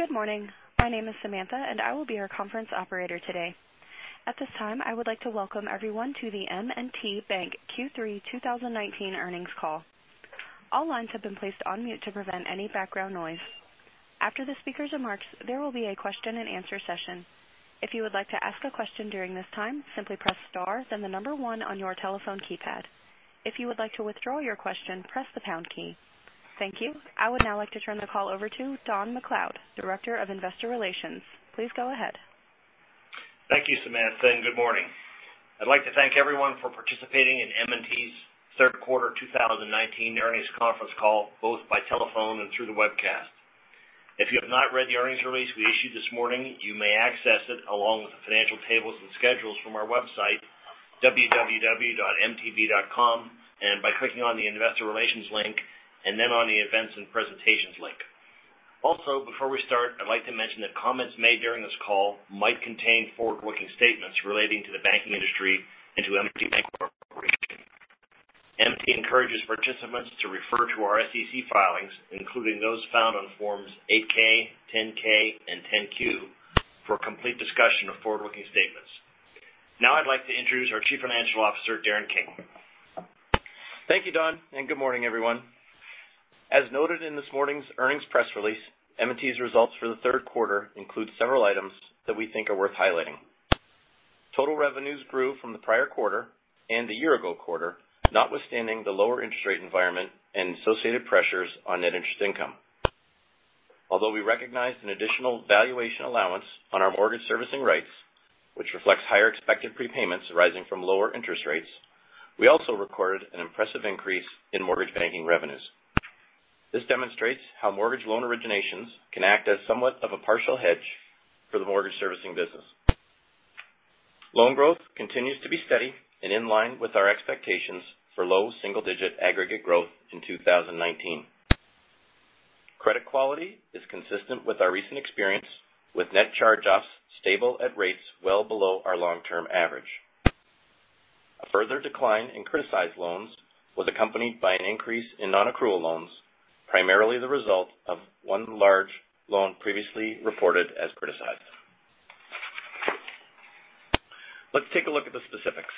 Good morning. My name is Samantha, and I will be your conference operator today. At this time, I would like to welcome everyone to the M&T Bank Q3 2019 earnings call. All lines have been placed on mute to prevent any background noise. After the speaker's remarks, there will be a question and answer session. If you would like to ask a question during this time, simply press star, then the number one on your telephone keypad. If you would like to withdraw your question, press the pound key. Thank you. I would now like to turn the call over to Don MacLeod, Director of Investor Relations. Please go ahead. Thank you, Samantha, and good morning. I'd like to thank everyone for participating in M&T's third quarter 2019 earnings conference call, both by telephone and through the webcast. If you have not read the earnings release we issued this morning, you may access it along with the financial tables and schedules from our website, www.mtb.com, and by clicking on the Investor Relations link, and then on the Events and Presentations link. Also, before we start, I'd like to mention that comments made during this call might contain forward-looking statements relating to the banking industry and to M&T Bank Corporation. M&T encourages participants to refer to our SEC filings, including those found on forms 8-K, 10-K, and 10-Q, for a complete discussion of forward-looking statements. Now I'd like to introduce our Chief Financial Officer, Darren King. Thank you, Don, good morning, everyone. As noted in this morning's earnings press release, M&T's results for the third quarter include several items that we think are worth highlighting. Total revenues grew from the prior quarter and the year-ago quarter, notwithstanding the lower interest rate environment and associated pressures on net interest income. Although we recognized an additional valuation allowance on our mortgage servicing rights, which reflects higher expected prepayments arising from lower interest rates, we also recorded an impressive increase in mortgage banking revenues. This demonstrates how mortgage loan originations can act as somewhat of a partial hedge for the mortgage servicing business. Loan growth continues to be steady and in line with our expectations for low single-digit aggregate growth in 2019. Credit quality is consistent with our recent experience, with net charge-offs stable at rates well below our long-term average. A further decline in criticized loans was accompanied by an increase in non-accrual loans, primarily the result of one large loan previously reported as criticized. Let's take a look at the specifics.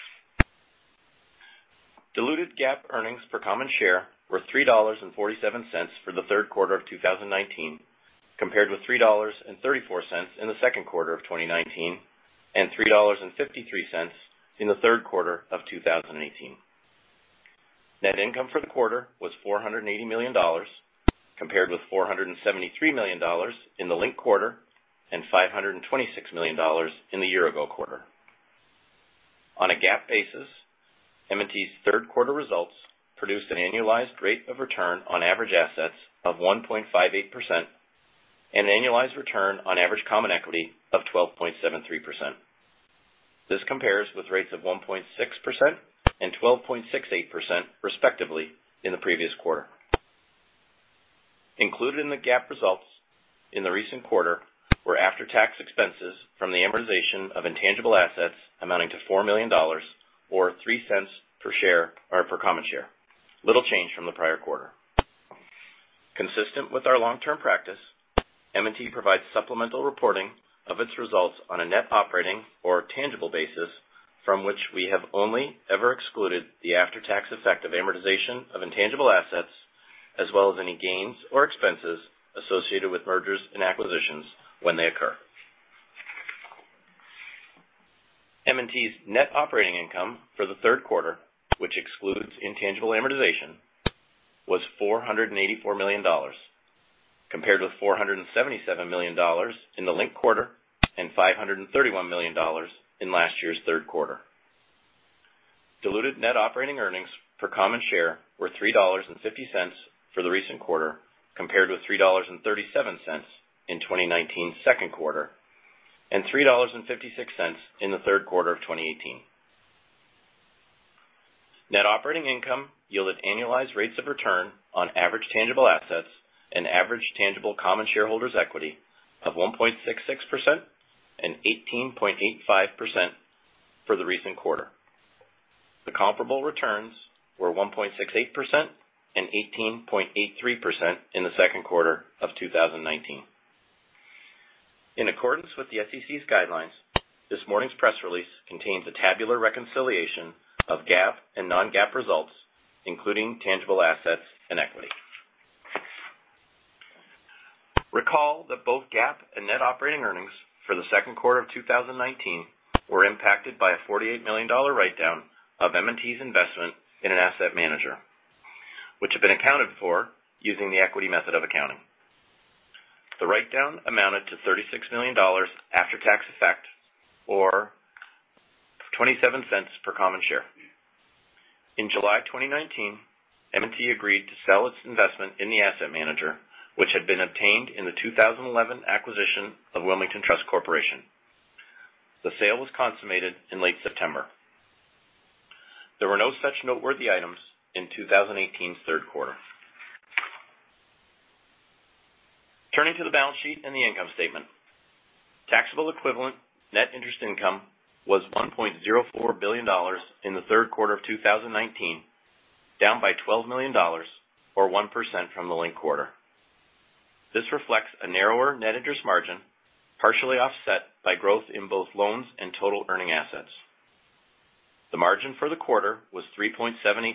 Diluted GAAP earnings per common share were $3.47 for the third quarter of 2019, compared with $3.34 in the second quarter of 2019 and $3.53 in the third quarter of 2018. Net income for the quarter was $480 million, compared with $473 million in the linked quarter and $526 million in the year ago quarter. On a GAAP basis, M&T's third quarter results produced an annualized rate of return on average assets of 1.58% and an annualized return on average common equity of 12.73%. This compares with rates of 1.6% and 12.68%, respectively, in the previous quarter. Included in the GAAP results in the recent quarter were after-tax expenses from the amortization of intangible assets amounting to $4 million, or $0.03 per common share. Little change from the prior quarter. Consistent with our long-term practice, M&T provides supplemental reporting of its results on a net operating or tangible basis from which we have only ever excluded the after-tax effect of amortization of intangible assets, as well as any gains or expenses associated with mergers and acquisitions when they occur. M&T's net operating income for the third quarter, which excludes intangible amortization, was $484 million, compared to $477 million in the linked quarter and $531 million in last year's third quarter. Diluted net operating earnings per common share were $3.50 for the recent quarter, compared with $3.37 in 2019's second quarter and $3.56 in the third quarter of 2018. Net operating income yielded annualized rates of return on average tangible assets and average tangible common shareholders' equity of 1.66% and 18.85% for the recent quarter. The comparable returns were 1.68% and 18.83% in the second quarter of 2019. In accordance with the SEC's guidelines, this morning's press release contains a tabular reconciliation of GAAP and non-GAAP results, including tangible assets and equity. Recall that both GAAP and net operating earnings for the second quarter of 2019 were impacted by a $48 million write-down of M&T's investment in an asset manager, which had been accounted for using the equity method of accounting. The write-down amounted to $36 million after-tax effect, or $0.27 per common share. In July 2019, M&T agreed to sell its investment in the asset manager, which had been obtained in the 2011 acquisition of Wilmington Trust Corporation. The sale was consummated in late September. There were no such noteworthy items in 2018's third quarter. Turning to the balance sheet and the income statement. Taxable equivalent net interest income was $1.04 billion in the third quarter of 2019, down by $12 million, or 1% from the linked quarter. This reflects a narrower net interest margin, partially offset by growth in both loans and total earning assets. The margin for the quarter was 3.78%,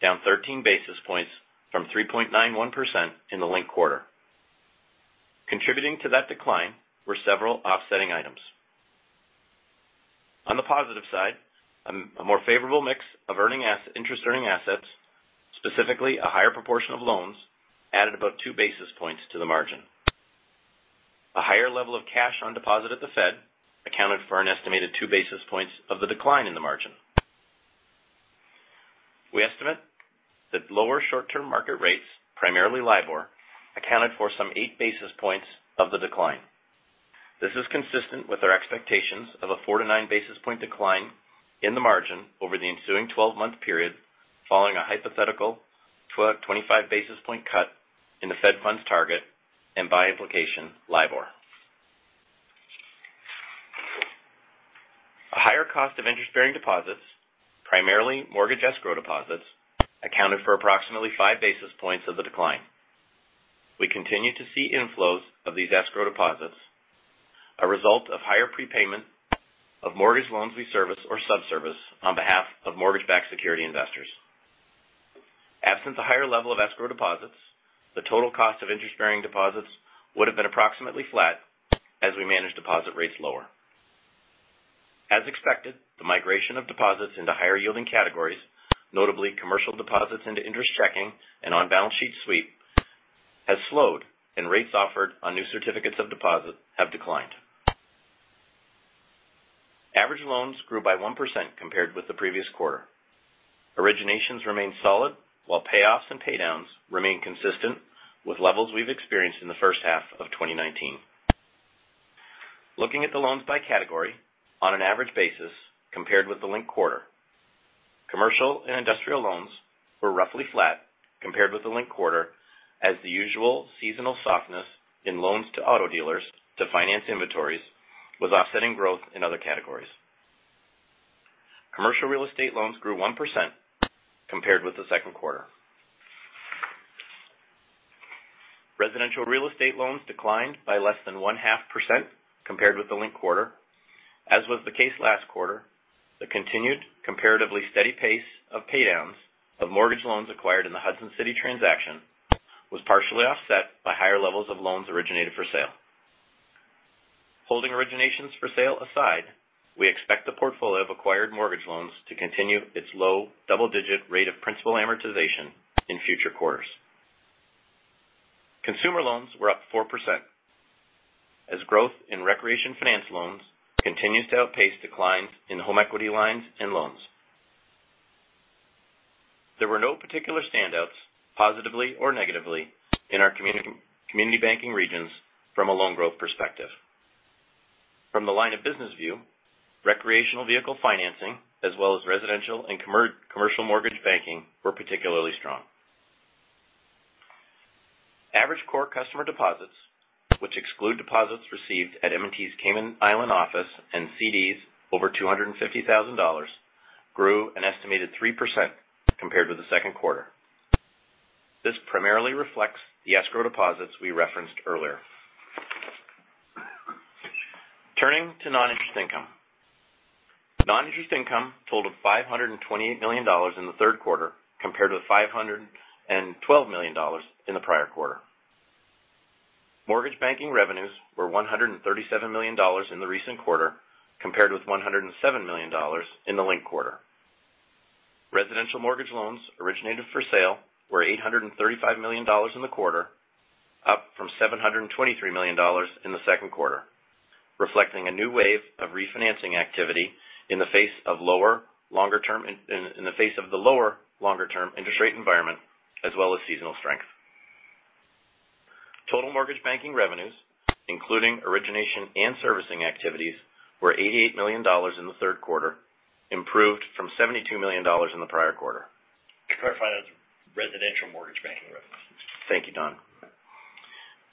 down 13 basis points from 3.91% in the linked quarter. Contributing to that decline were several offsetting items. On the positive side, a more favorable mix of interest-earning assets, specifically a higher proportion of loans, added about two basis points to the margin. A higher level of cash on deposit at the Fed accounted for an estimated two basis points of the decline in the margin. We estimate that lower short-term market rates, primarily LIBOR, accounted for some eight basis points of the decline. This is consistent with our expectations of a four to nine basis point decline in the margin over the ensuing 12-month period, following a hypothetical 25 basis point cut in the Fed funds target, and by implication, LIBOR. A higher cost of interest-bearing deposits, primarily mortgage escrow deposits, accounted for approximately five basis points of the decline. We continue to see inflows of these escrow deposits, a result of higher prepayment of mortgage loans we service or subservice on behalf of mortgage-backed security investors. Absent the higher level of escrow deposits, the total cost of interest-bearing deposits would've been approximately flat as we manage deposit rates lower. As expected, the migration of deposits into higher-yielding categories, notably commercial deposits into interest checking and on-balance sheet sweep, has slowed, and rates offered on new certificates of deposit have declined. Average loans grew by 1% compared with the previous quarter. Originations remained solid, while payoffs and paydowns remain consistent with levels we've experienced in the first half of 2019. Looking at the loans by category on an average basis compared with the linked quarter, commercial and industrial loans were roughly flat compared with the linked quarter as the usual seasonal softness in loans to auto dealers to finance inventories was offsetting growth in other categories. Commercial real estate loans grew 1% compared with the second quarter. Residential real estate loans declined by less than 0.5% compared with the linked quarter. As was the case last quarter, the continued comparatively steady pace of paydowns of mortgage loans acquired in the Hudson City transaction was partially offset by higher levels of loans originated for sale. Holding originations for sale aside, we expect the portfolio of acquired mortgage loans to continue its low double-digit rate of principal amortization in future quarters. Consumer loans were up 4%, as growth in recreation finance loans continues to outpace declines in home equity lines and loans. There were no particular standouts, positively or negatively, in our community banking regions from a loan growth perspective. From the line of business view, recreational vehicle financing, as well as residential and commercial mortgage banking were particularly strong. Average core customer deposits, which exclude deposits received at M&T's Cayman Island office and CDs over $250,000, grew an estimated 3% compared to the second quarter. This primarily reflects the escrow deposits we referenced earlier. Turning to non-interest income. Non-interest income totaled $528 million in the third quarter, compared with $512 million in the prior quarter. Mortgage banking revenues were $137 million in the recent quarter, compared with $107 million in the linked quarter. Residential mortgage loans originated for sale were $835 million in the quarter, up from $723 million in the second quarter, reflecting a new wave of refinancing activity in the face of the lower longer-term interest rate environment, as well as seasonal strength. Total mortgage banking revenues, including origination and servicing activities, were $88 million in the third quarter, improved from $72 million in the prior quarter. Clarify that as residential mortgage banking revenues. Thank you, Don.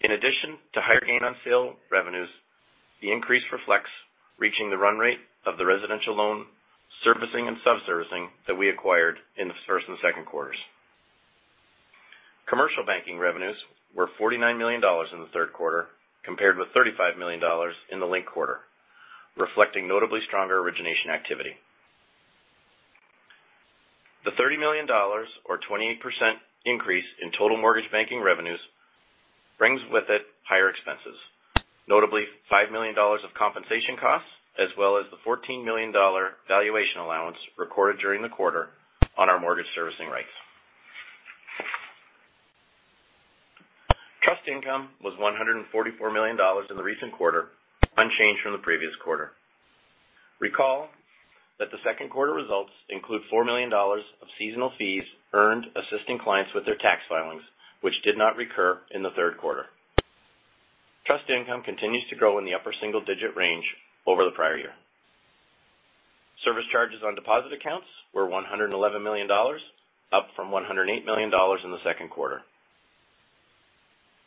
In addition to higher gain on sale revenues, the increase reflects reaching the run rate of the residential loan servicing and sub-servicing that we acquired in the first and second quarters. Commercial banking revenues were $49 million in the third quarter, compared with $35 million in the linked quarter, reflecting notably stronger origination activity. The $30 million or 28% increase in total mortgage banking revenues brings with it higher expenses, notably $5 million of compensation costs, as well as the $14 million valuation allowance recorded during the quarter on our mortgage servicing rights. Trust income was $144 million in the recent quarter, unchanged from the previous quarter. Recall that the second quarter results include $4 million of seasonal fees earned assisting clients with their tax filings, which did not recur in the third quarter. Trust income continues to grow in the upper single-digit range over the prior year. Service charges on deposit accounts were $111 million, up from $108 million in the second quarter.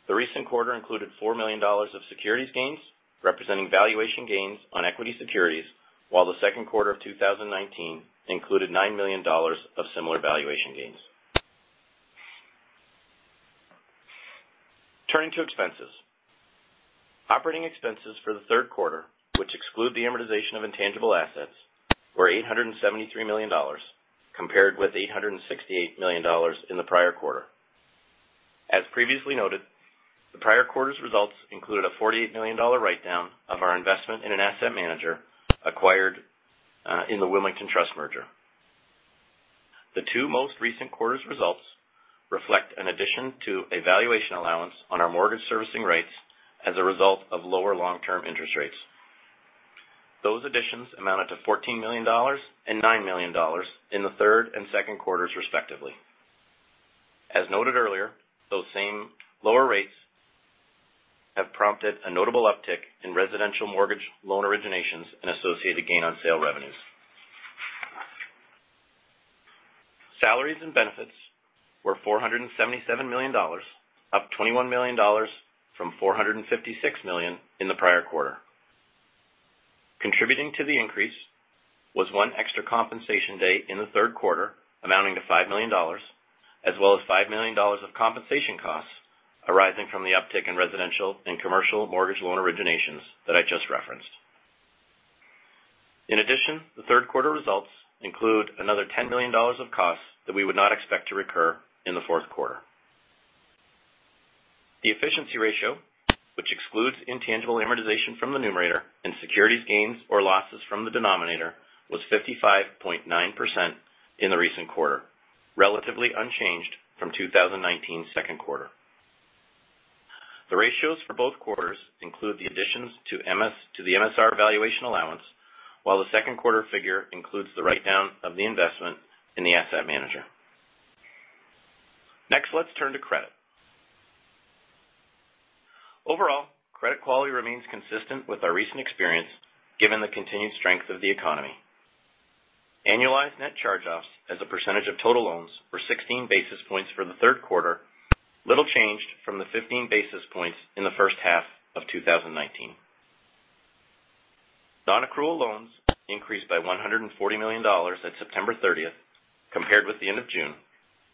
The recent quarter included $4 million of securities gains, representing valuation gains on equity securities, while the second quarter of 2019 included $9 million of similar valuation gains. Turning to expenses. Operating expenses for the third quarter, which exclude the amortization of intangible assets, were $873 million, compared with $868 million in the prior quarter. As previously noted, the prior quarter's results included a $48 million write-down of our investment in an asset manager acquired in the Wilmington Trust merger. The two most recent quarters results reflect an addition to a valuation allowance on our mortgage servicing rights as a result of lower long-term interest rates. Those additions amounted to $14 million and $9 million in the third and second quarters respectively. As noted earlier, those same lower rates have prompted a notable uptick in residential mortgage loan originations and associated gain on sale revenues. Salaries and benefits were $477 million, up $21 million from $456 million in the prior quarter. Contributing to the increase was one extra compensation day in the third quarter, amounting to $5 million, as well as $5 million of compensation costs arising from the uptick in residential and commercial mortgage loan originations that I just referenced. In addition, the third quarter results include another $10 million of costs that we would not expect to recur in the fourth quarter. The efficiency ratio, which excludes intangible amortization from the numerator and securities gains or losses from the denominator, was 55.9% in the recent quarter, relatively unchanged from 2019's second quarter. The ratios for both quarters include the additions to the MSR valuation allowance, while the second quarter figure includes the write-down of the investment in the asset manager. Next, let's turn to credit. Overall, credit quality remains consistent with our recent experience, given the continued strength of the economy. Annualized net charge-offs as a percentage of total loans were 16 basis points for the third quarter, little changed from the 15 basis points in the first half of 2019. Non-accrual loans increased by $140 million at September 30th, compared with the end of June,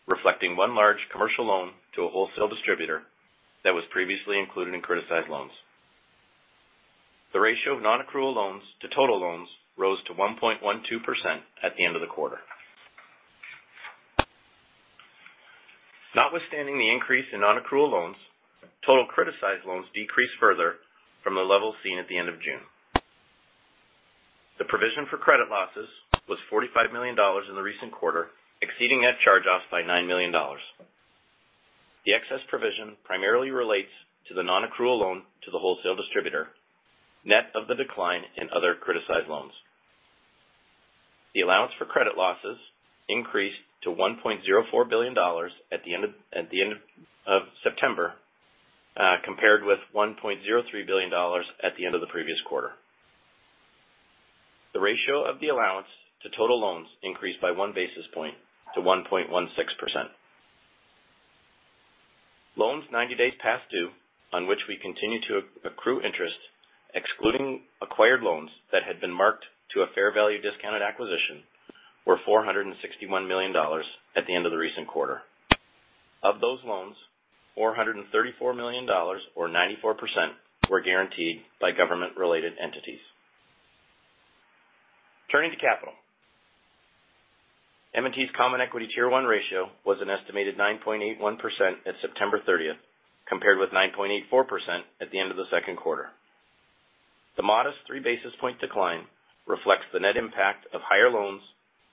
reflecting one large commercial loan to a wholesale distributor that was previously included in criticized loans. The ratio of non-accrual loans to total loans rose to 1.12% at the end of the quarter. Notwithstanding the increase in non-accrual loans, total criticized loans decreased further from the level seen at the end of June. The provision for credit losses was $45 million in the recent quarter, exceeding net charge-offs by $9 million. The excess provision primarily relates to the non-accrual loan to the wholesale distributor, net of the decline in other criticized loans. The allowance for credit losses increased to $1.04 billion at the end of September, compared with $1.03 billion at the end of the previous quarter. The ratio of the allowance to total loans increased by one basis point to 1.16%. Loans 90 days past due, on which we continue to accrue interest, excluding acquired loans that had been marked to a fair value discounted acquisition, were $461 million at the end of the recent quarter. Of those loans, $434 million, or 94%, were guaranteed by government-related entities. Turning to capital. M&T's common equity Tier One ratio was an estimated 9.81% at September 30th, compared with 9.84% at the end of the second quarter. The modest three basis point decline reflects the net impact of higher loans,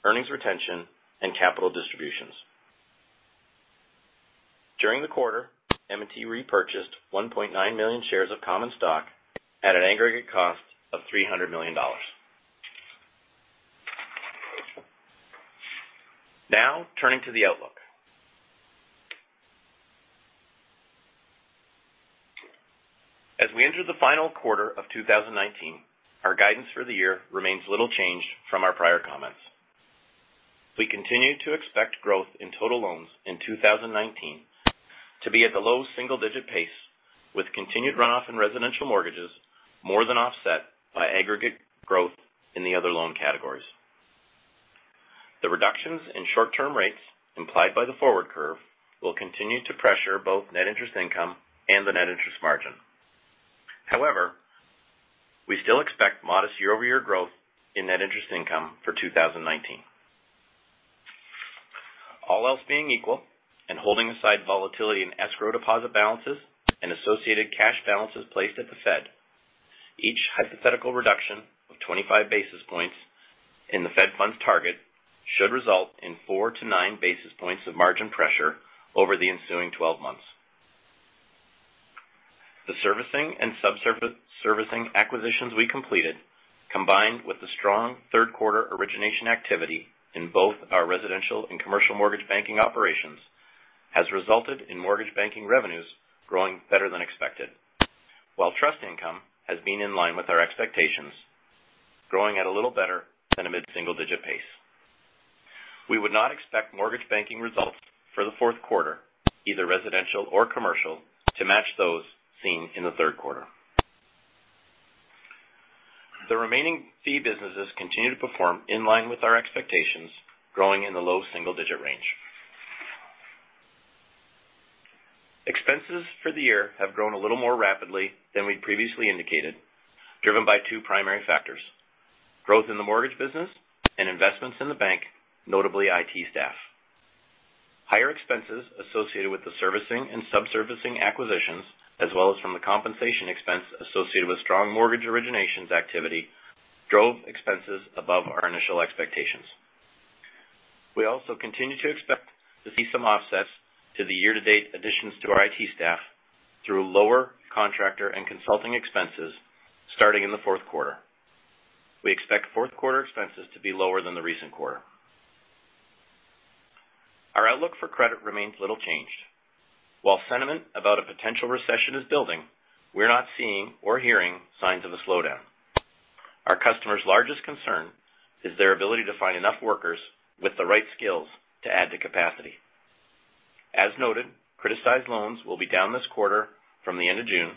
earnings retention, and capital distributions. During the quarter, M&T repurchased 1.9 million shares of common stock at an aggregate cost of $300 million. Turning to the outlook. As we enter the final quarter of 2019, our guidance for the year remains little changed from our prior comments. We continue to expect growth in total loans in 2019 to be at the low single-digit pace, with continued runoff in residential mortgages more than offset by aggregate growth in the other loan categories. The reductions in short-term rates implied by the forward curve will continue to pressure both net interest income and the net interest margin. We still expect modest year-over-year growth in net interest income for 2019. All else being equal and holding aside volatility in escrow deposit balances and associated cash balances placed at the Fed, each hypothetical reduction of 25 basis points in the Fed Funds target should result in four to nine basis points of margin pressure over the ensuing 12 months. The servicing and sub-servicing acquisitions we completed, combined with the strong third quarter origination activity in both our residential and commercial mortgage banking operations, has resulted in mortgage banking revenues growing better than expected. While trust income has been in line with our expectations, growing at a little better than a mid-single-digit pace. We would not expect mortgage banking results for the fourth quarter, either residential or commercial, to match those seen in the third quarter. The remaining fee businesses continue to perform in line with our expectations, growing in the low single-digit range. Expenses for the year have grown a little more rapidly than we'd previously indicated, driven by two primary factors, growth in the mortgage business and investments in the bank, notably IT staff. Higher expenses associated with the servicing and sub-servicing acquisitions, as well as from the compensation expense associated with strong mortgage originations activity, drove expenses above our initial expectations. We also continue to expect to see some offsets to the year-to-date additions to our IT staff through lower contractor and consulting expenses starting in the fourth quarter. We expect fourth quarter expenses to be lower than the recent quarter. Our outlook for credit remains little changed. While sentiment about a potential recession is building, we're not seeing or hearing signs of a slowdown. Our customers' largest concern is their ability to find enough workers with the right skills to add to capacity. As noted, criticized loans will be down this quarter from the end of June.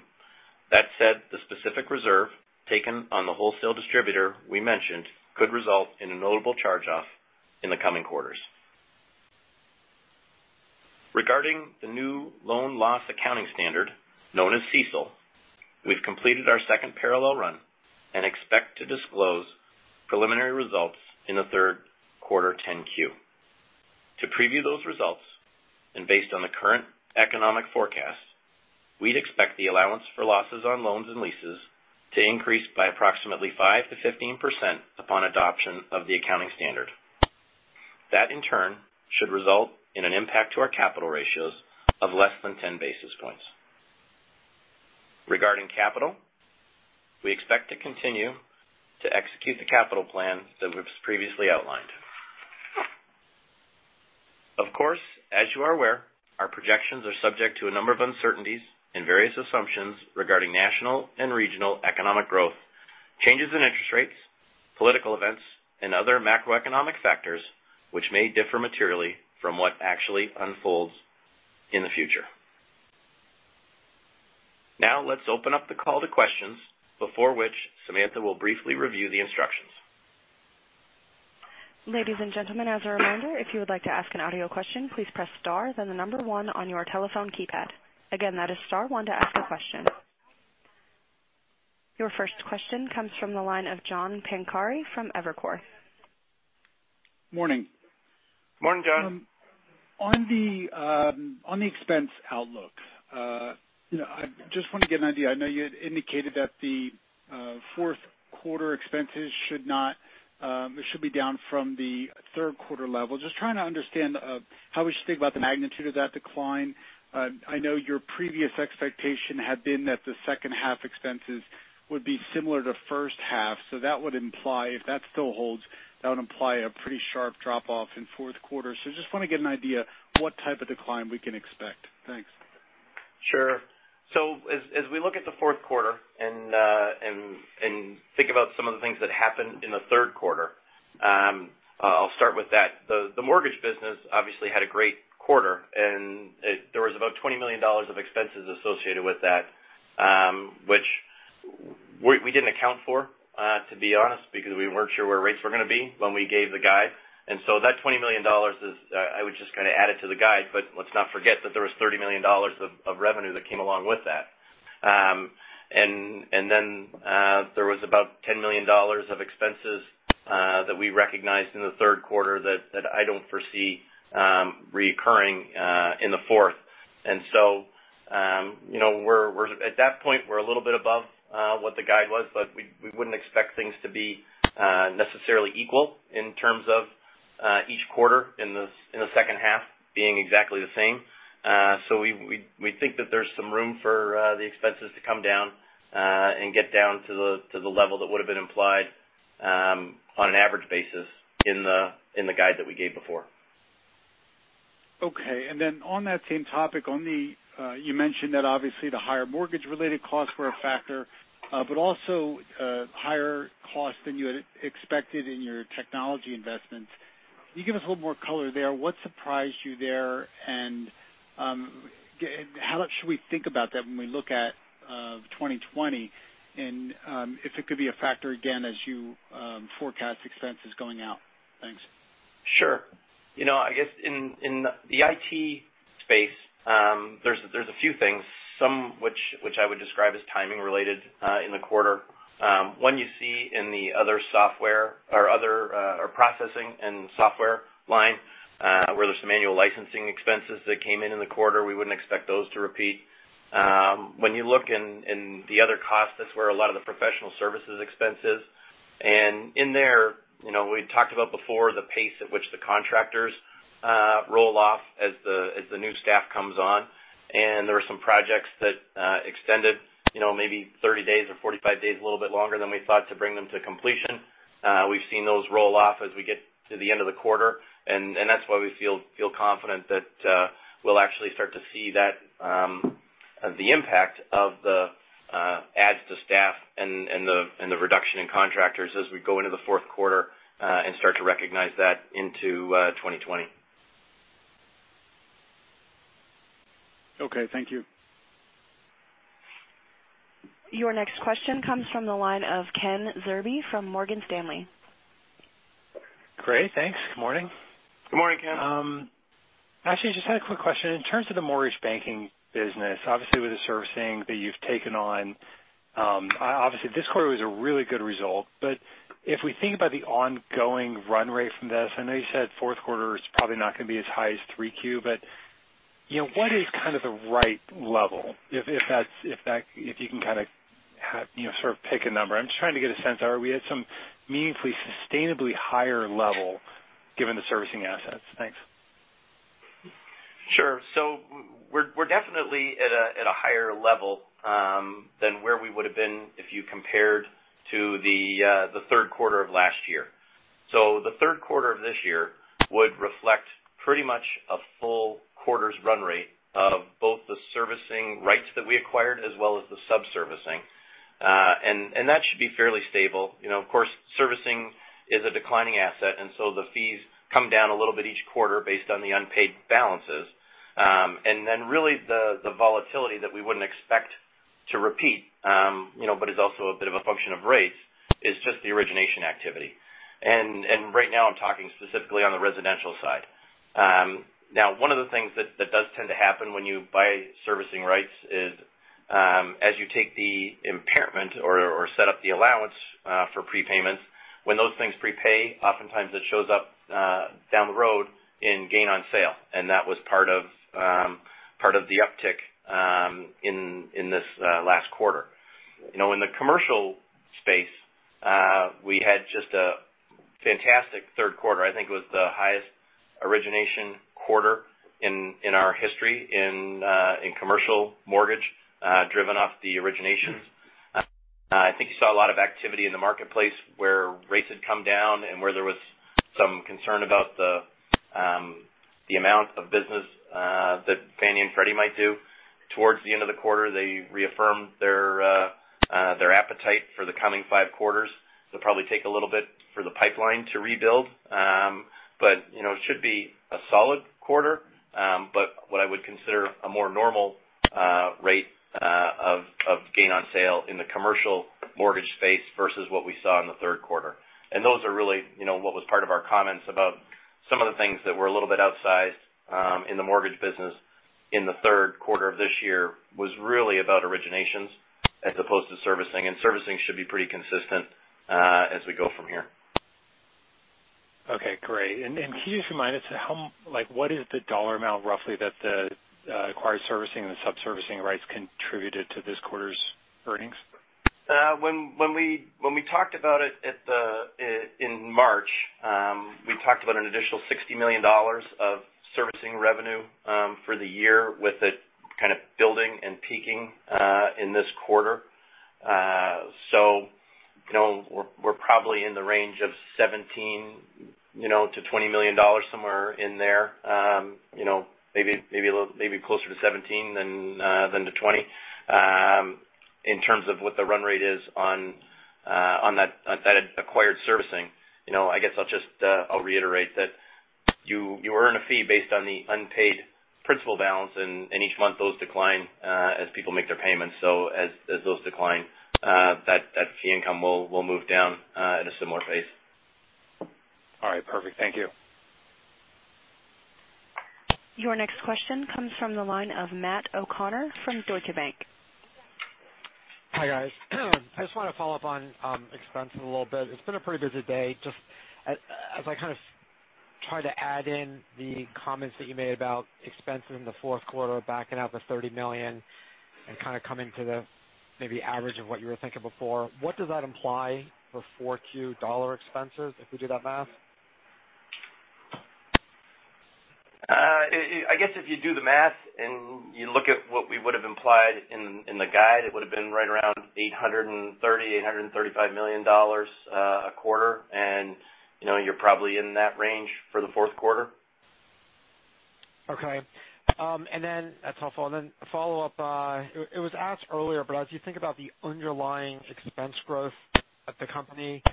That said, the specific reserve taken on the wholesale distributor we mentioned could result in a notable charge-off in the coming quarters. Regarding the new loan loss accounting standard, known as CECL, we've completed our second parallel run and expect to disclose preliminary results in the third quarter 10-Q. To preview those results, and based on the current economic forecast, we'd expect the allowance for losses on loans and leases to increase by approximately 5%-15% upon adoption of the accounting standard. That, in turn, should result in an impact to our capital ratios of less than 10 basis points. Regarding capital, we expect to continue to execute the capital plan that we've previously outlined. Of course, as you are aware, our projections are subject to a number of uncertainties and various assumptions regarding national and regional economic growth, changes in interest rates, political events, and other macroeconomic factors, which may differ materially from what actually unfolds in the future. Let's open up the call to questions, before which Samantha will briefly review the instructions. Ladies and gentlemen, as a reminder, if you would like to ask an audio question, please press star then 1 on your telephone keypad. Again, that is star 1 to ask a question. Your first question comes from the line of John Pancari from Evercore. Morning. Morning, John. On the expense outlook, I just want to get an idea. I know you had indicated that the fourth quarter expenses should be down from the third quarter level. Just trying to understand how we should think about the magnitude of that decline. I know your previous expectation had been that the second half expenses would be similar to first half. If that still holds, that would imply a pretty sharp drop-off in fourth quarter. Just want to get an idea what type of decline we can expect. Thanks. Sure. As we look at the fourth quarter and think about some of the things that happened in the third quarter, I'll start with that. The mortgage business obviously had a great quarter, and there was about $20 million of expenses associated with that which we didn't account for, to be honest, because we weren't sure where rates were going to be when we gave the guide. That $20 million is, I would just kind of add it to the guide, but let's not forget that there was $30 million of revenue that came along with that. Then there was about $10 million of expenses that we recognized in the third quarter that I don't foresee reoccurring in the fourth. At that point, we're a little bit above what the guide was, but we wouldn't expect things to be necessarily equal in terms of each quarter in the second half being exactly the same. We think that there's some room for the expenses to come down and get down to the level that would've been implied on an average basis in the guide that we gave before. Okay. On that same topic, you mentioned that obviously the higher mortgage-related costs were a factor, but also higher cost than you had expected in your technology investments. Can you give us a little more color there? What surprised you there, and how much should we think about that when we look at 2020 and if it could be a factor again as you forecast expenses going out? Thanks. Sure. I guess in the IT space, there's a few things, some which I would describe as timing related in the quarter. One you see in the other software or processing and software line where there's some annual licensing expenses that came in in the quarter. We wouldn't expect those to repeat. When you look in the other costs, that's where a lot of the professional services expense is. In there, we had talked about before the pace at which the contractors roll off as the new staff comes on, and there were some projects that extended maybe 30 days or 45 days, a little bit longer than we thought to bring them to completion. We've seen those roll off as we get to the end of the quarter, and that's why we feel confident that we'll actually start to see the impact of the adds to staff and the reduction in contractors as we go into the fourth quarter, and start to recognize that into 2020. Okay, thank you. Your next question comes from the line of Kenneth Zerbe from Morgan Stanley. Great, thanks. Good morning. Good morning, Ken. Actually, just had a quick question. In terms of the mortgage banking business, obviously with the servicing that you've taken on. Obviously, this quarter was a really good result. If we think about the ongoing run rate from this, I know you said fourth quarter is probably not going to be as high as three Q, but what is kind of the right level? If you can kind of sort of pick a number. I'm just trying to get a sense. Are we at some meaningfully, sustainably higher level given the servicing assets? Thanks. Sure. We're definitely at a higher level than where we would have been if you compared to the third quarter of last year. The third quarter of this year would reflect pretty much a full quarter's run rate of both the servicing rights that we acquired as well as the sub-servicing. That should be fairly stable. Of course, servicing is a declining asset, and so the fees come down a little bit each quarter based on the unpaid balances. Then really the volatility that we wouldn't expect to repeat, but is also a bit of a function of rates, is just the origination activity. Right now, I'm talking specifically on the residential side. Now, one of the things that does tend to happen when you buy servicing rights is as you take the impairment or set up the allowance for prepayments, when those things prepay, oftentimes it shows up down the road in gain on sale. That was part of the uptick in this last quarter. In the commercial space, we had just a fantastic third quarter. I think it was the highest origination quarter in our history in commercial mortgage, driven off the originations. I think you saw a lot of activity in the marketplace where rates had come down and where there was some concern about the amount of business that Fannie and Freddie might do. Towards the end of the quarter, they reaffirmed their appetite for the coming five quarters. They'll probably take a little bit for the pipeline to rebuild. It should be a solid quarter, but what I would consider a more normal rate of gain on sale in the commercial mortgage space versus what we saw in the third quarter. Those are really what was part of our comments about some of the things that were a little bit outsized in the mortgage business in the third quarter of this year, was really about originations as opposed to servicing. Servicing should be pretty consistent as we go from here. Okay, great. Can you just remind us, what is the dollar amount, roughly, that the acquired servicing and the sub-servicing rights contributed to this quarter's earnings? When we talked about it in March, we talked about an additional $60 million of servicing revenue for the year, with it kind of building and peaking in this quarter. We're probably in the range of $17 million-$20 million, somewhere in there. Maybe closer to $17 than to $20, in terms of what the run rate is on that acquired servicing. I guess I'll reiterate that you earn a fee based on the unpaid principal balance, and each month, those decline as people make their payments. As those decline, that fee income will move down at a similar pace. All right, perfect. Thank you. Your next question comes from the line of Matthew O'Connor from Deutsche Bank. Hi, guys. I just want to follow up on expenses a little bit. It's been a pretty busy day. Just as I kind of try to add in the comments that you made about expenses in the fourth quarter backing out the $30 million and kind of coming to the maybe average of what you were thinking before. What does that imply for 4Q dollar expenses if we do that math? I guess if you do the math and you look at what we would've implied in the guide, it would've been right around $830 million-$835 million a quarter, and you're probably in that range for the fourth quarter. Okay. A follow-up. It was asked earlier, but as you think about the underlying expense growth at the company,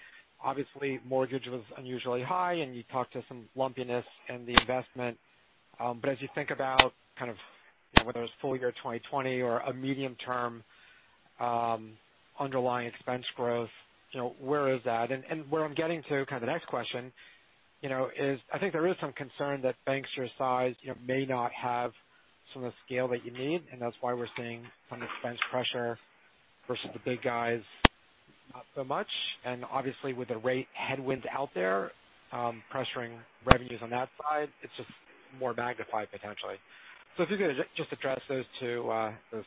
obviously mortgage was unusually high, and you talked to some lumpiness in the investment. As you think about kind of whether it's full year 2020 or a medium term underlying expense growth, where is that? Where I'm getting to kind of the next question is I think there is some concern that banks your size may not have some of the scale that you need, and that's why we're seeing some expense pressure versus the big guys, not so much. Obviously with the rate headwinds out there pressuring revenues on that side, it's just more magnified potentially. If you could just address those two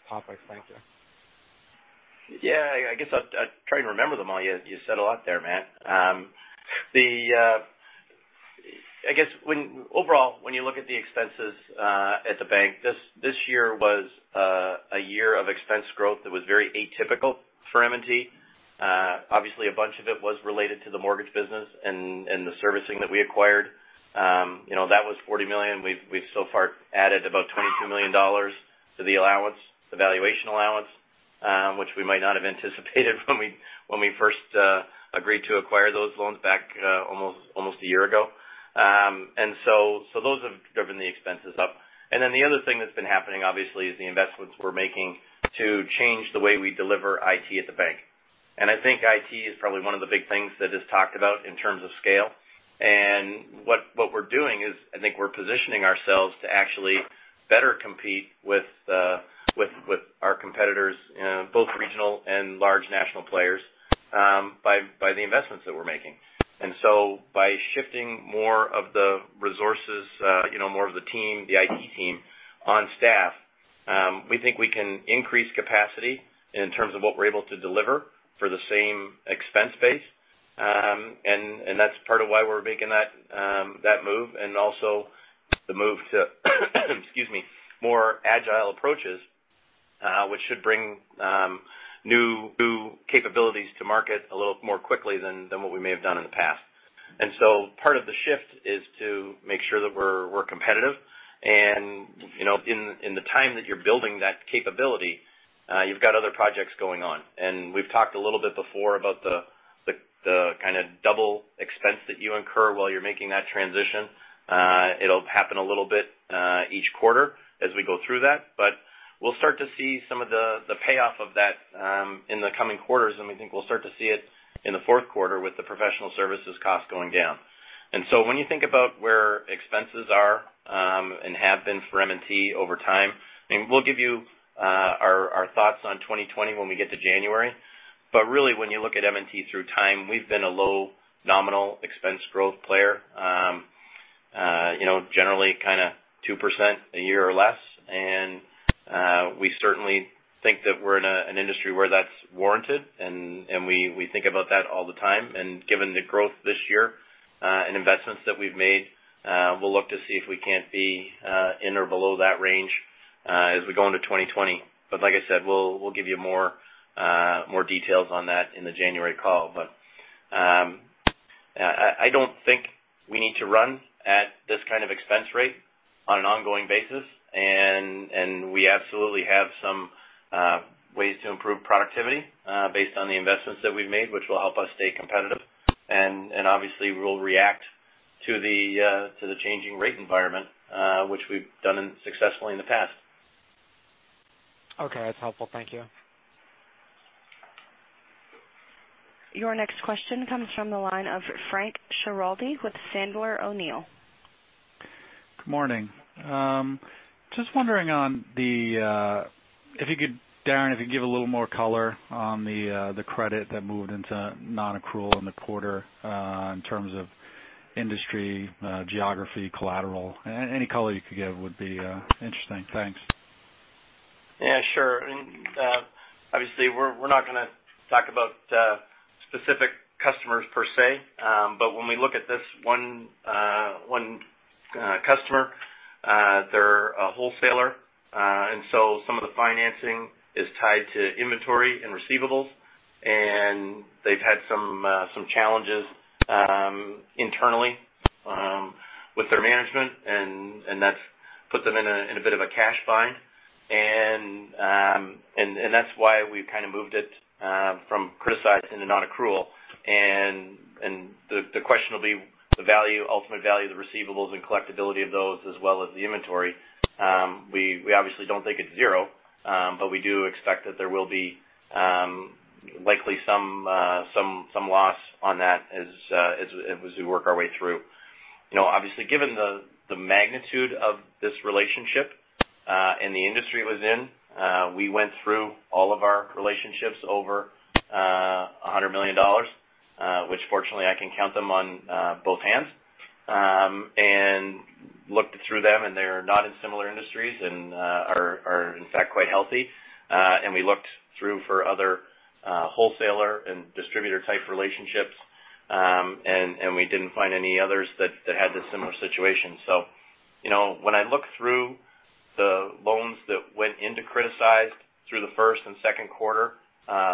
topics. Thank you. Yeah. I guess I'll try and remember them all. You said a lot there, Matt. I guess overall, when you look at the expenses at the bank, this year was a year of expense growth that was very atypical for M&T. Obviously, a bunch of it was related to the mortgage business and the servicing that we acquired. That was $40 million. We've so far added about $22 million to the valuation allowance, which we might not have anticipated when we first agreed to acquire those loans back almost a year ago. Those have driven the expenses up. The other thing that's been happening, obviously, is the investments we're making to change the way we deliver IT at the bank. I think IT is probably one of the big things that is talked about in terms of scale. What we're doing is, I think we're positioning ourselves to actually better compete with our competitors, both regional and large national players, by the investments that we're making. By shifting more of the resources, more of the IT team on staff, we think we can increase capacity in terms of what we're able to deliver for the same expense base. That's part of why we're making that move, and also the move to excuse me, more agile approaches, which should bring new capabilities to market a little more quickly than what we may have done in the past. Part of the shift is to make sure that we're competitive and, in the time that you're building that capability, you've got other projects going on. We've talked a little bit before about the kind of double expense that you incur while you're making that transition. It'll happen a little bit, each quarter as we go through that, we'll start to see some of the payoff of that in the coming quarters, we think we'll start to see it in the fourth quarter with the professional services cost going down. When you think about where expenses are, and have been for M&T over time, we'll give you our thoughts on 2020 when we get to January. When you look at M&T through time, we've been a low nominal expense growth player. Generally kind of 2% a year or less. We certainly think that we're in an industry where that's warranted and we think about that all the time. Given the growth this year, and investments that we've made, we'll look to see if we can't be in or below that range as we go into 2020. Like I said, we'll give you more details on that in the January call. I don't think we need to run at this kind of expense rate on an ongoing basis. We absolutely have some ways to improve productivity, based on the investments that we've made, which will help us stay competitive. Obviously we will react to the changing rate environment, which we've done successfully in the past. Okay. That's helpful. Thank you. Your next question comes from the line of Frank Schiraldi with Sandler O'Neill. Good morning. Just wondering, Darren, if you could give a little more color on the credit that moved into nonaccrual in the quarter, in terms of industry, geography, collateral. Any color you could give would be interesting. Thanks. Yeah, sure. Obviously, we're not going to talk about specific customers per se. When we look at this one customer, they're a wholesaler. Some of the financing is tied to inventory and receivables, and they've had some challenges internally with their management and that's put them in a bit of a cash bind. That's why we've kind of moved it from criticized into nonaccrual. The question will be the ultimate value of the receivables and collectibility of those, as well as the inventory. We obviously don't think it's zero, but we do expect that there will be likely some loss on that as we work our way through. Obviously, given the magnitude of this relationship, and the industry it was in, we went through all of our relationships over $100 million, which fortunately I can count them on both hands, and looked through them, and they're not in similar industries and are in fact quite healthy. We looked through for other wholesaler and distributor type relationships, and we didn't find any others that had this similar situation. When I look through the loans that went into criticized through the first and second quarter,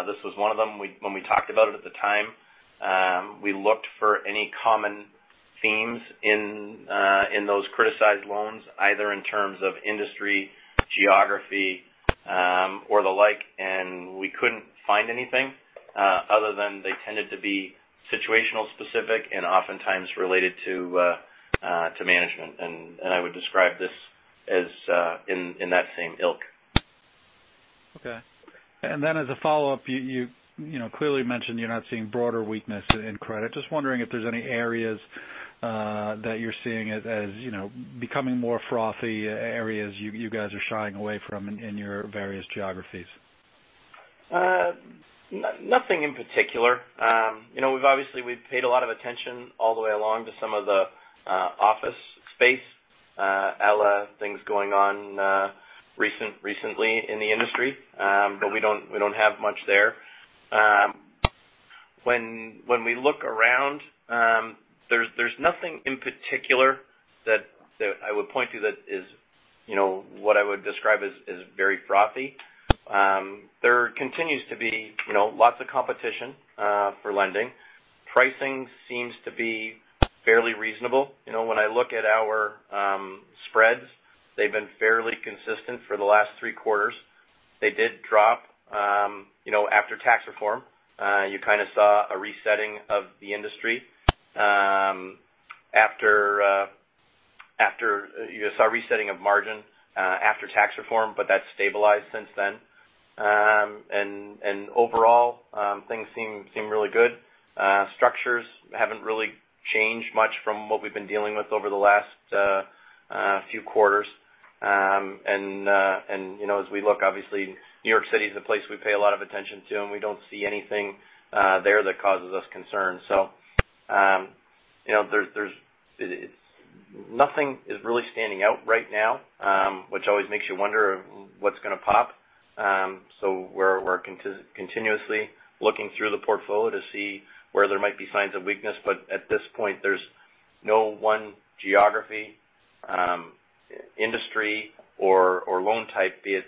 this was one of them. When we talked about it at the time, we looked for any common themes in those criticized loans, either in terms of industry, geography, or the like, and we couldn't find anything, other than they tended to be situational specific and oftentimes related to management. I would describe this as in that same ilk. Okay. As a follow-up, you clearly mentioned you're not seeing broader weakness in credit. Just wondering if there's any areas that you're seeing as becoming more frothy, areas you guys are shying away from in your various geographies? Nothing in particular. Obviously, we've paid a lot of attention all the way along to some of the office space, a la things going on recently in the industry. We don't have much there. When we look around, there's nothing in particular that I would point to that is what I would describe as very frothy. There continues to be lots of competition for lending. Pricing seems to be fairly reasonable. When I look at our spreads, they've been fairly consistent for the last three quarters. They did drop after tax reform. You kind of saw a resetting of the industry. You saw resetting of margin after tax reform, but that's stabilized since then. Overall, things seem really good. Structures haven't really changed much from what we've been dealing with over the last few quarters. As we look, obviously New York City is a place we pay a lot of attention to, and we don't see anything there that causes us concern. Nothing is really standing out right now, which always makes you wonder what's going to pop. We're continuously looking through the portfolio to see where there might be signs of weakness. At this point, there's no one geography, industry or loan type, be it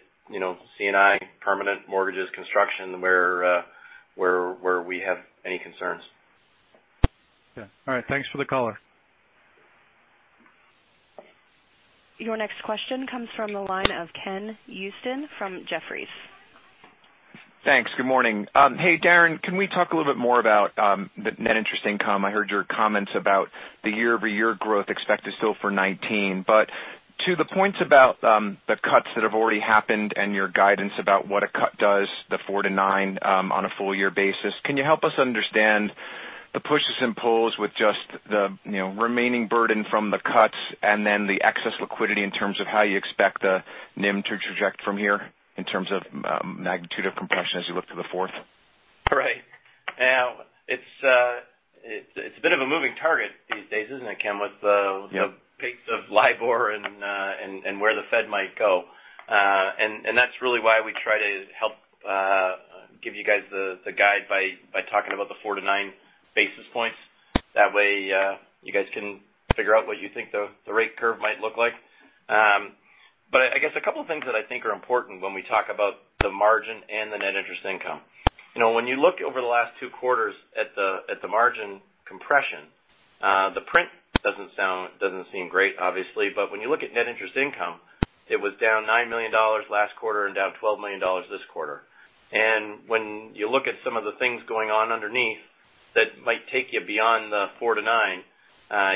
C&I, permanent mortgages, construction, where we have any concerns. Okay. All right. Thanks for the color. Your next question comes from the line of Ken Usdin from Jefferies. Thanks. Good morning. Hey, Darren, can we talk a little bit more about the net interest income? I heard your comments about the year-over-year growth expected still for 2019. To the points about the cuts that have already happened and your guidance about what a cut does, the four to nine on a full year basis, can you help us understand the pushes and pulls with just the remaining burden from the cuts and then the excess liquidity in terms of how you expect the NIM to traject from here in terms of magnitude of compression as you look to the fourth? Right. Now it's a bit of a moving target these days, isn't it, Ken, with the pace of LIBOR and where the Fed might go. That's really why we try to help give you guys the guide by talking about the four to nine basis points. That way, you guys can figure out what you think the rate curve might look like. I guess a couple of things that I think are important when we talk about the margin and the net interest income. When you look over the last two quarters at the margin compression, the print doesn't seem great, obviously. When you look at net interest income, it was down $9 million last quarter and down $12 million this quarter. When you look at some of the things going on underneath that might take you beyond the four to nine,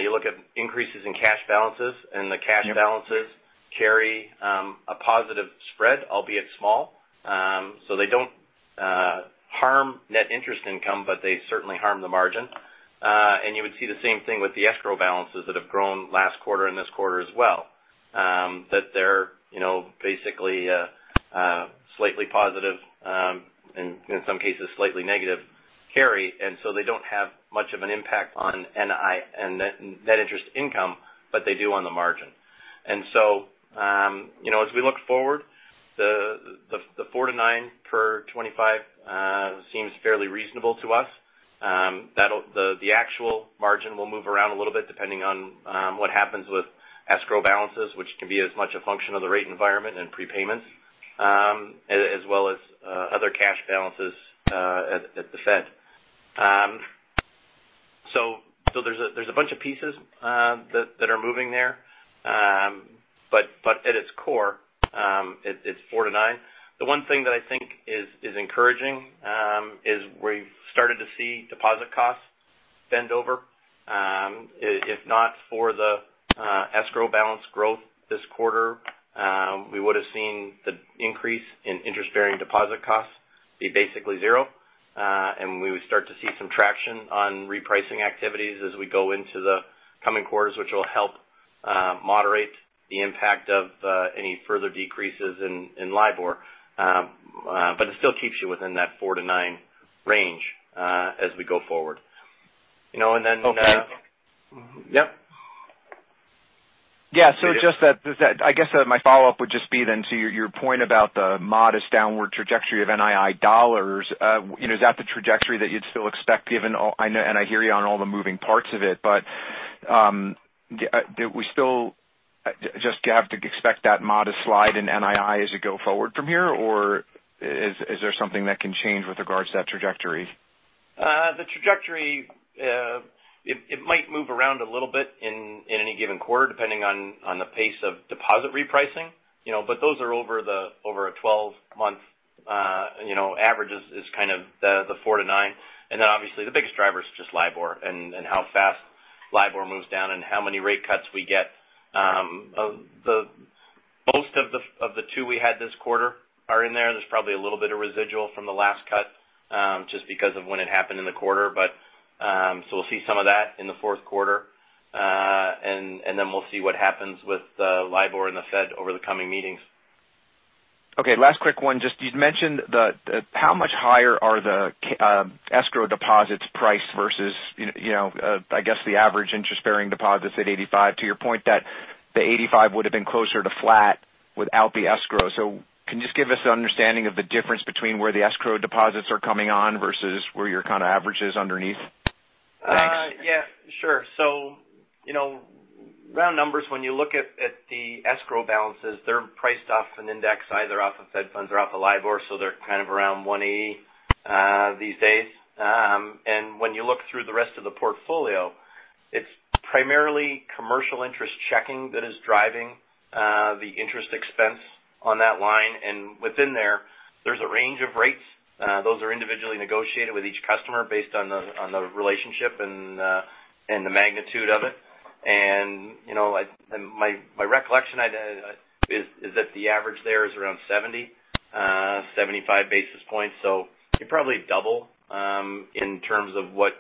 you look at increases in cash balances, and the cash balances carry a positive spread, albeit small. They don't harm net interest income, but they certainly harm the margin. You would see the same thing with the escrow balances that have grown last quarter and this quarter as well, that they're basically a slightly positive, and in some cases slightly negative carry, they don't have much of an impact on net interest income, but they do on the margin. As we look forward, the four to nine per 25 seems fairly reasonable to us. The actual margin will move around a little bit depending on what happens with escrow balances, which can be as much a function of the rate environment and prepayments, as well as other cash balances at the Fed. There's a bunch of pieces that are moving there. At its core, it's four to nine. The one thing that I think is encouraging is we've started to see deposit costs bend over. If not for the escrow balance growth this quarter, we would have seen the increase in interest-bearing deposit costs be basically zero. We would start to see some traction on repricing activities as we go into the coming quarters, which will help moderate the impact of any further decreases in LIBOR. It still keeps you within that four to nine range as we go forward. Okay. Yep. Yeah. I guess my follow-up would just be then to your point about the modest downward trajectory of NII dollars. Is that the trajectory that you'd still expect given, and I hear you on all the moving parts of it, but do we still just have to expect that modest slide in NII as you go forward from here, or is there something that can change with regards to that trajectory? The trajectory, it might move around a little bit in any given quarter, depending on the pace of deposit repricing. Those are over a 12 month average is kind of the four to nine. Obviously the biggest driver is just LIBOR and how fast LIBOR moves down and how many rate cuts we get. Most of the two we had this quarter are in there. There's probably a little bit of residual from the last cut just because of when it happened in the quarter. We'll see some of that in the fourth quarter, and then we'll see what happens with LIBOR and the Fed over the coming meetings. Okay. Last quick one. You mentioned how much higher are the escrow deposits priced versus I guess the average interest-bearing deposits at 85 to your point that the 85 would have been closer to flat without the escrow. Can you just give us an understanding of the difference between where the escrow deposits are coming on versus where your average is underneath? Thanks. Yeah, sure. Round numbers, when you look at the escrow balances, they're priced off an index, either off of Fed Funds or off of LIBOR, so they're around 180 these days. When you look through the rest of the portfolio, it's primarily commercial interest checking that is driving the interest expense on that line. Within there's a range of rates. Those are individually negotiated with each customer based on the relationship and the magnitude of it. My recollection is that the average there is around 70, 75 basis points. You probably double in terms of what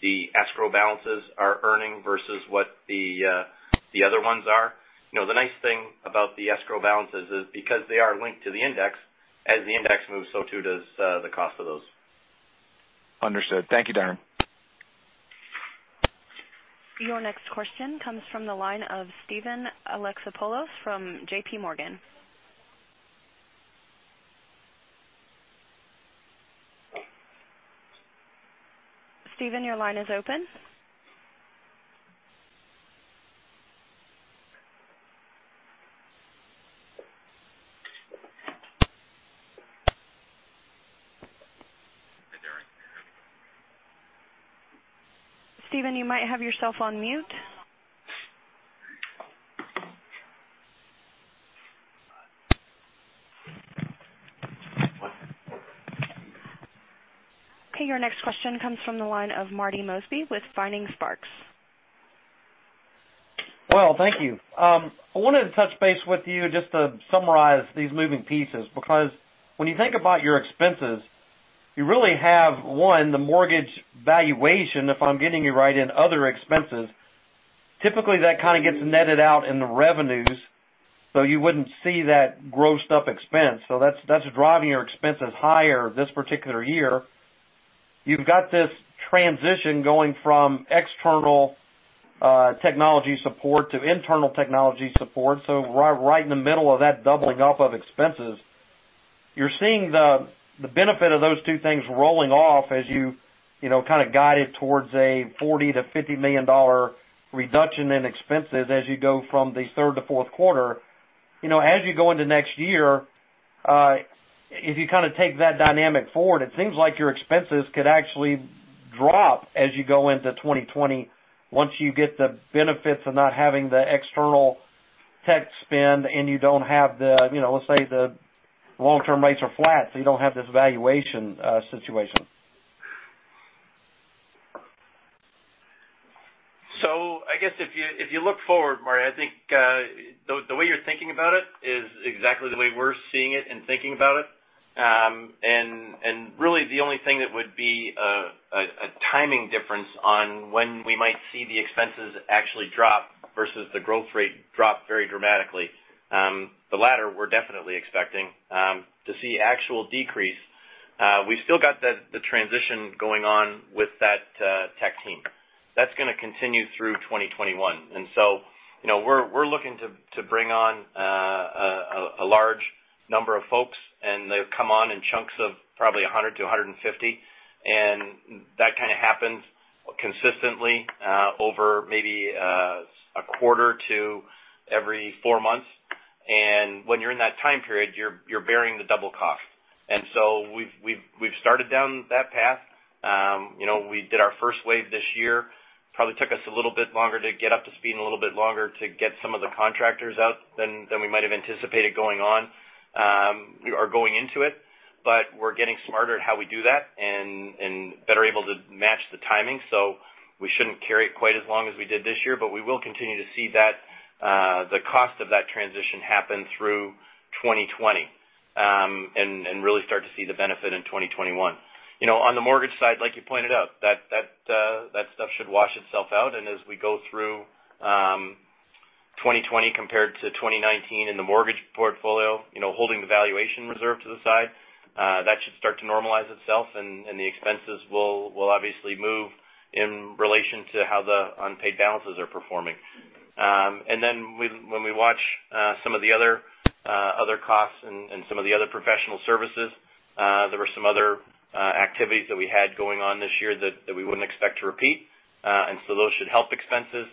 the escrow balances are earning versus what the other ones are. The nice thing about the escrow balances is because they are linked to the index, as the index moves, so too does the cost of those. Understood. Thank you, Darren. Your next question comes from the line of Steven Alexopoulos from J.P. Morgan. Steven, your line is open. Hey, Darren, can you hear me? Steven, you might have yourself on mute. Okay, your next question comes from the line of Marty Mosby with Vining Sparks. Well, thank you. I wanted to touch base with you just to summarize these moving pieces, because when you think about your expenses, you really have, one, the mortgage valuation, if I'm getting you right, in other expenses. Typically, that kind of gets netted out in the revenues, you wouldn't see that grossed up expense. That's driving your expenses higher this particular year. You've got this transition going from external technology support to internal technology support. Right in the middle of that doubling up of expenses, you're seeing the benefit of those two things rolling off as you kind of guide it towards a $40 million-$50 million reduction in expenses as you go from the third to fourth quarter. As you go into next year, if you take that dynamic forward, it seems like your expenses could actually drop as you go into 2020 once you get the benefits of not having the external tech spend and you don't have the, let's say, the long-term rates are flat, so you don't have this valuation situation. I guess if you look forward, Marty, I think the way you're thinking about it is exactly the way we're seeing it and thinking about it. Really the only thing that would be a timing difference on when we might see the expenses actually drop versus the growth rate drop very dramatically. The latter, we're definitely expecting. To see actual decrease, we still got the transition going on with that tech team. That's going to continue through 2021. We're looking to bring on a large number of folks, and they'll come on in chunks of probably 100 to 150. That kind of happens consistently over maybe a quarter to every four months. When you're in that time period, you're bearing the double cost. We've started down that path. We did our first wave this year. Probably took us a little bit longer to get up to speed and a little bit longer to get some of the contractors out than we might have anticipated going on or going into it. We're getting smarter at how we do that and better able to match the timing. We shouldn't carry it quite as long as we did this year, but we will continue to see the cost of that transition happen through 2020 and really start to see the benefit in 2021. On the mortgage side, like you pointed out, that stuff should wash itself out. As we go through 2020 compared to 2019 in the mortgage portfolio, holding the valuation reserve to the side, that should start to normalize itself and the expenses will obviously move in relation to how the unpaid balances are performing. When we watch some of the other costs and some of the other professional services, there were some other activities that we had going on this year that we wouldn't expect to repeat. Those should help expenses.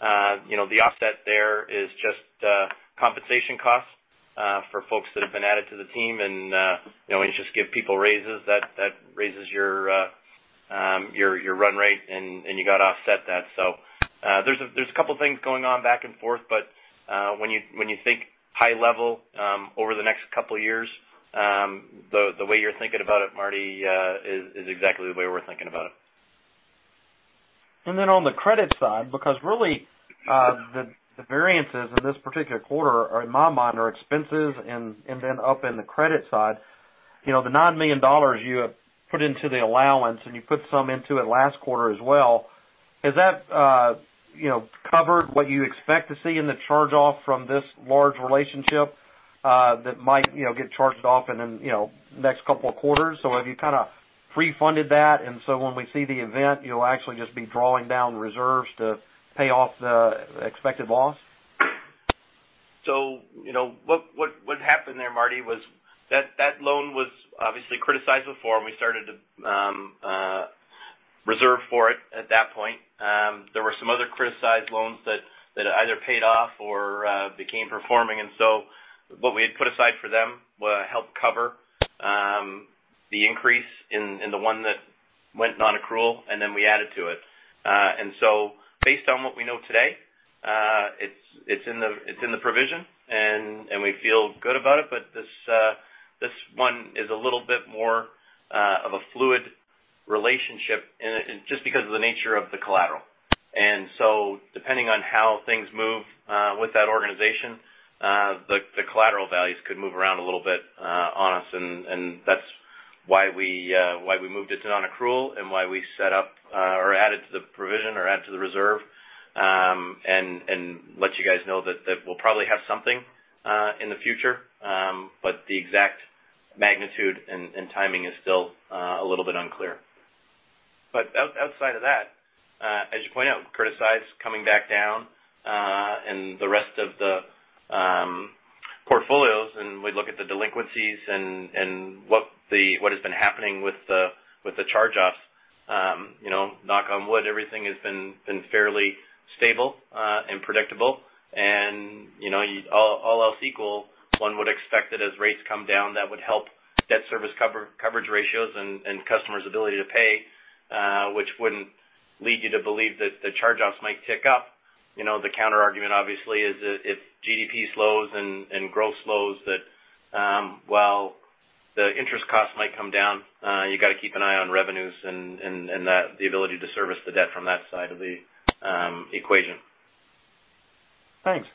The offset there is just compensation costs for folks that have been added to the team. When you just give people raises, that raises your run rate, and you got to offset that. There's a couple of things going on back and forth, but when you think high level over the next couple of years, the way you're thinking about it, Marty, is exactly the way we're thinking about it. On the credit side, because really the variances in this particular quarter are, in my mind, are expenses and then up in the credit side. The $9 million you have put into the allowance, and you put some into it last quarter as well. Has that covered what you expect to see in the charge-off from this large relationship that might get charged off in the next couple of quarters? Have you kind of pre-funded that, and so when we see the event, you'll actually just be drawing down reserves to pay off the expected loss? What happened there, Marty, was that loan was obviously criticized before, and we started to reserve for it at that point. There were some other criticized loans that either paid off or became performing. What we had put aside for them helped cover the increase in the one that went non-accrual, and then we added to it. Based on what we know today, it's in the provision, and we feel good about it. This one is a little bit more of a fluid relationship just because of the nature of the collateral. Depending on how things move with that organization, the collateral values could move around a little bit on us, and that's why we moved it to non-accrual and why we set up or added to the provision or added to the reserve, and let you guys know that we'll probably have something in the future. The exact magnitude and timing is still a little bit unclear. Outside of that, as you point out, criticized coming back down, and the rest of the portfolios, and we look at the delinquencies and what has been happening with the charge-offs. Knock on wood, everything has been fairly stable and predictable. All else equal, one would expect that as rates come down, that would help debt service coverage ratios and customers' ability to pay, which wouldn't lead you to believe that the charge-offs might tick up. The counterargument, obviously, is if GDP slows and growth slows, that while the interest costs might come down, you got to keep an eye on revenues and the ability to service the debt from that side of the equation. Thanks.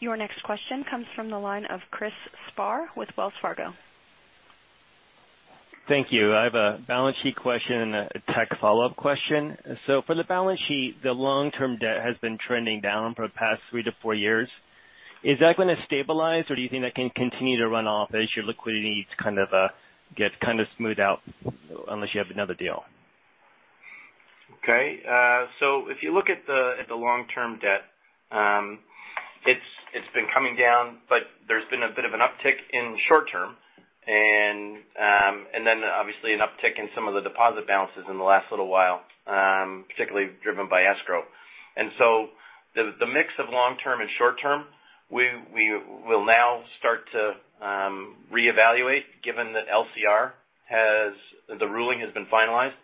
Your next question comes from the line of Mike Mayo with Wells Fargo. Thank you. I have a balance sheet question and a tech follow-up question. For the balance sheet, the long-term debt has been trending down for the past three to four years. Is that going to stabilize, or do you think that can continue to run off as your liquidity gets kind of smoothed out unless you have another deal? Okay. If you look at the long-term debt, it's been coming down, but there's been a bit of an uptick in short-term, and then obviously an uptick in some of the deposit balances in the last little while, particularly driven by escrow. The mix of long term and short term, we will now start to reevaluate given that LCR, the ruling has been finalized.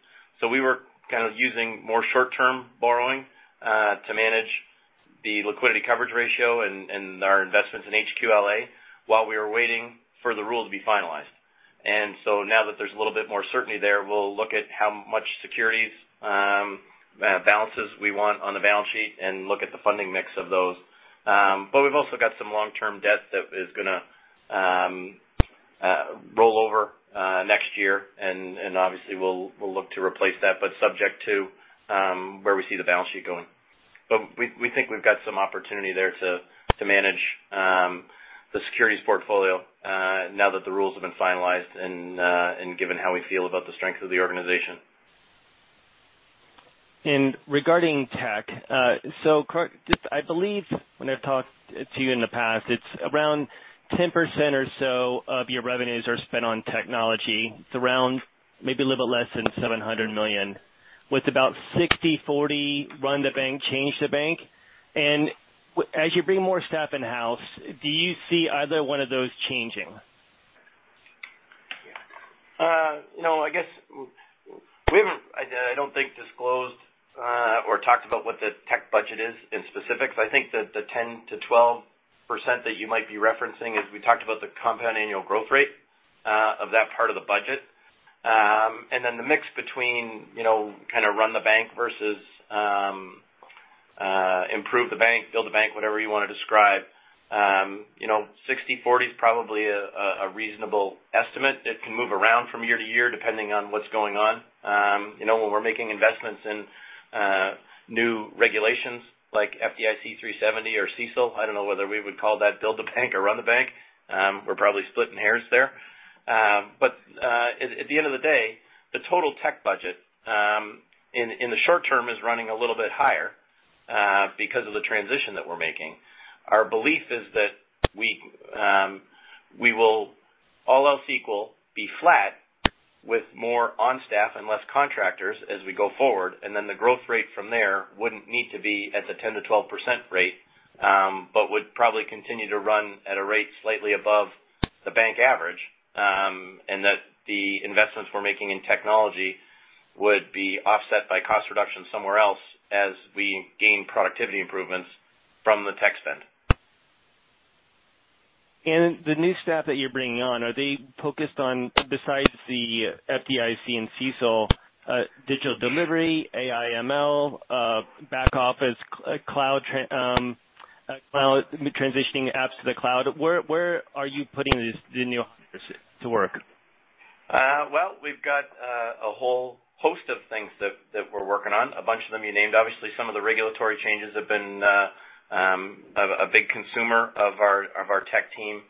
We were kind of using more short-term borrowing to manage the liquidity coverage ratio and our investments in HQLA while we were waiting for the rule to be finalized. Now that there's a little bit more certainty there, we'll look at how much securities balances we want on the balance sheet and look at the funding mix of those. We've also got some long-term debt that is going to roll over next year, and obviously, we'll look to replace that, but subject to where we see the balance sheet going. We think we've got some opportunity there to manage the securities portfolio now that the rules have been finalized and given how we feel about the strength of the organization. Regarding tech, I believe when I've talked to you in the past, it's around 10% or so of your revenues are spent on technology. It's around maybe a little bit less than $700 million, with about 60/40 run the bank, change the bank. As you bring more staff in-house, do you see either one of those changing? I guess we haven't, I don't think, disclosed or talked about what the tech budget is in specifics. I think that the 10%-12% that you might be referencing is we talked about the compound annual growth rate of that part of the budget. The mix between kind of run the bank versus improve the bank, build the bank, whatever you want to describe. 60/40 is probably a reasonable estimate. It can move around from year to year, depending on what's going on. When we're making investments in new regulations like FDIC 370 or CECL, I don't know whether we would call that build the bank or run the bank. We're probably splitting hairs there. At the end of the day, the total tech budget in the short term is running a little bit higher because of the transition that we're making. Our belief is that we will, all else equal, be flat with more on staff and less contractors as we go forward, and then the growth rate from there wouldn't need to be at the 10%-12% rate, but would probably continue to run at a rate slightly above the bank average. That the investments we're making in technology would be offset by cost reduction somewhere else as we gain productivity improvements from the tech spend. The new staff that you're bringing on, are they focused on besides the FDIC and CECL, digital delivery, AI ML, back office, transitioning apps to the cloud? Where are you putting the new hires to work? Well, we've got a whole host of things that we're working on. A bunch of them you named. Obviously, some of the regulatory changes have been a big consumer of our tech team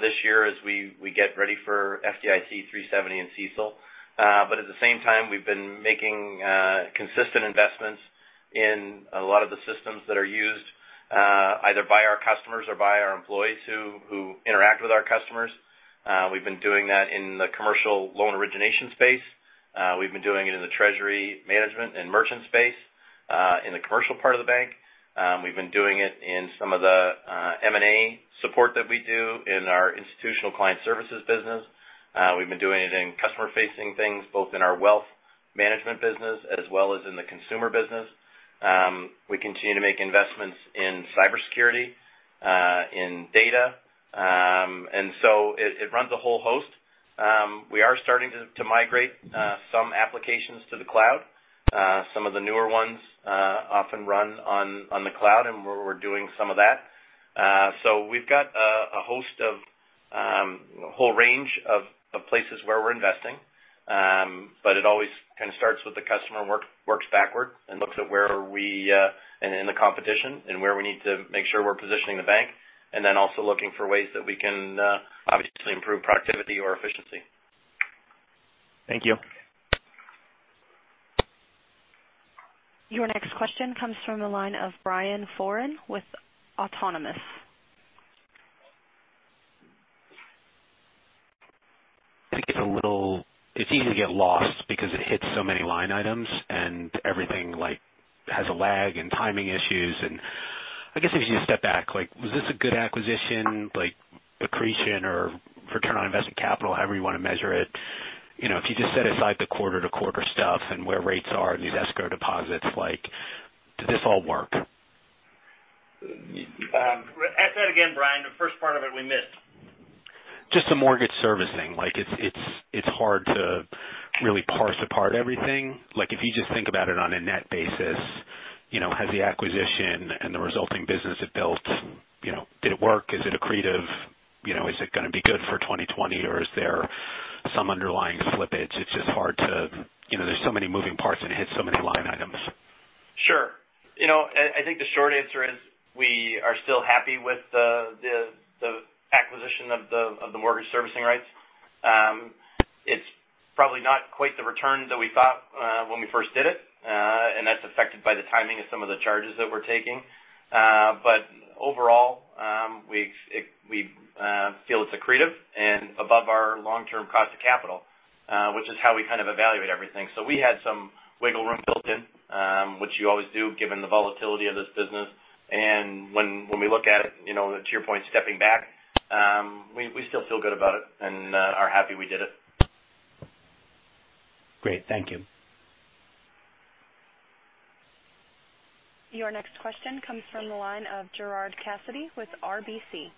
this year as we get ready for FDIC Part 370 and CECL. At the same time, we've been making consistent investments in a lot of the systems that are used either by our customers or by our employees who interact with our customers. We've been doing that in the commercial loan origination space. We've been doing it in the treasury management and merchant space in the commercial part of the bank. We've been doing it in some of the M&A support that we do in our institutional client services business. We've been doing it in customer-facing things, both in our wealth management business as well as in the consumer business. We continue to make investments in cybersecurity, in data. It runs a whole host. We are starting to migrate some applications to the cloud. Some of the newer ones often run on the cloud, and we're doing some of that. We've got a whole range of places where we're investing. It always kind of starts with the customer and works backward and looks at where are we in the competition and where we need to make sure we're positioning the bank, and then also looking for ways that we can obviously improve productivity or efficiency. Thank you. Your next question comes from the line of Brian Foran with Autonomous. It's easy to get lost because it hits so many line items, and everything has a lag and timing issues. I guess if you just step back, was this a good acquisition, accretion or return on invested capital, however you want to measure it? If you just set aside the quarter-to-quarter stuff and where rates are and these escrow deposits, does this all work? Ask that again, Brian. The first part of it we missed. Just the mortgage servicing. It is hard to really parse apart everything. If you just think about it on a net basis, has the acquisition and the resulting business it built, did it work? Is it accretive? Is it going to be good for 2020, or is there some underlying slippage? There is so many moving parts and it hits so many line items. Sure. I think the short answer is we are still happy with the acquisition of the mortgage servicing rights. It's probably not quite the return that we thought when we first did it. That's affected by the timing of some of the charges that we're taking. Overall, we feel it's accretive and above our long-term cost of capital, which is how we kind of evaluate everything. We had some wiggle room built in, which you always do, given the volatility of this business. When we look at it, to your point, stepping back, we still feel good about it and are happy we did it. Great. Thank you. Your next question comes from the line of Gerard Cassidy with RBC.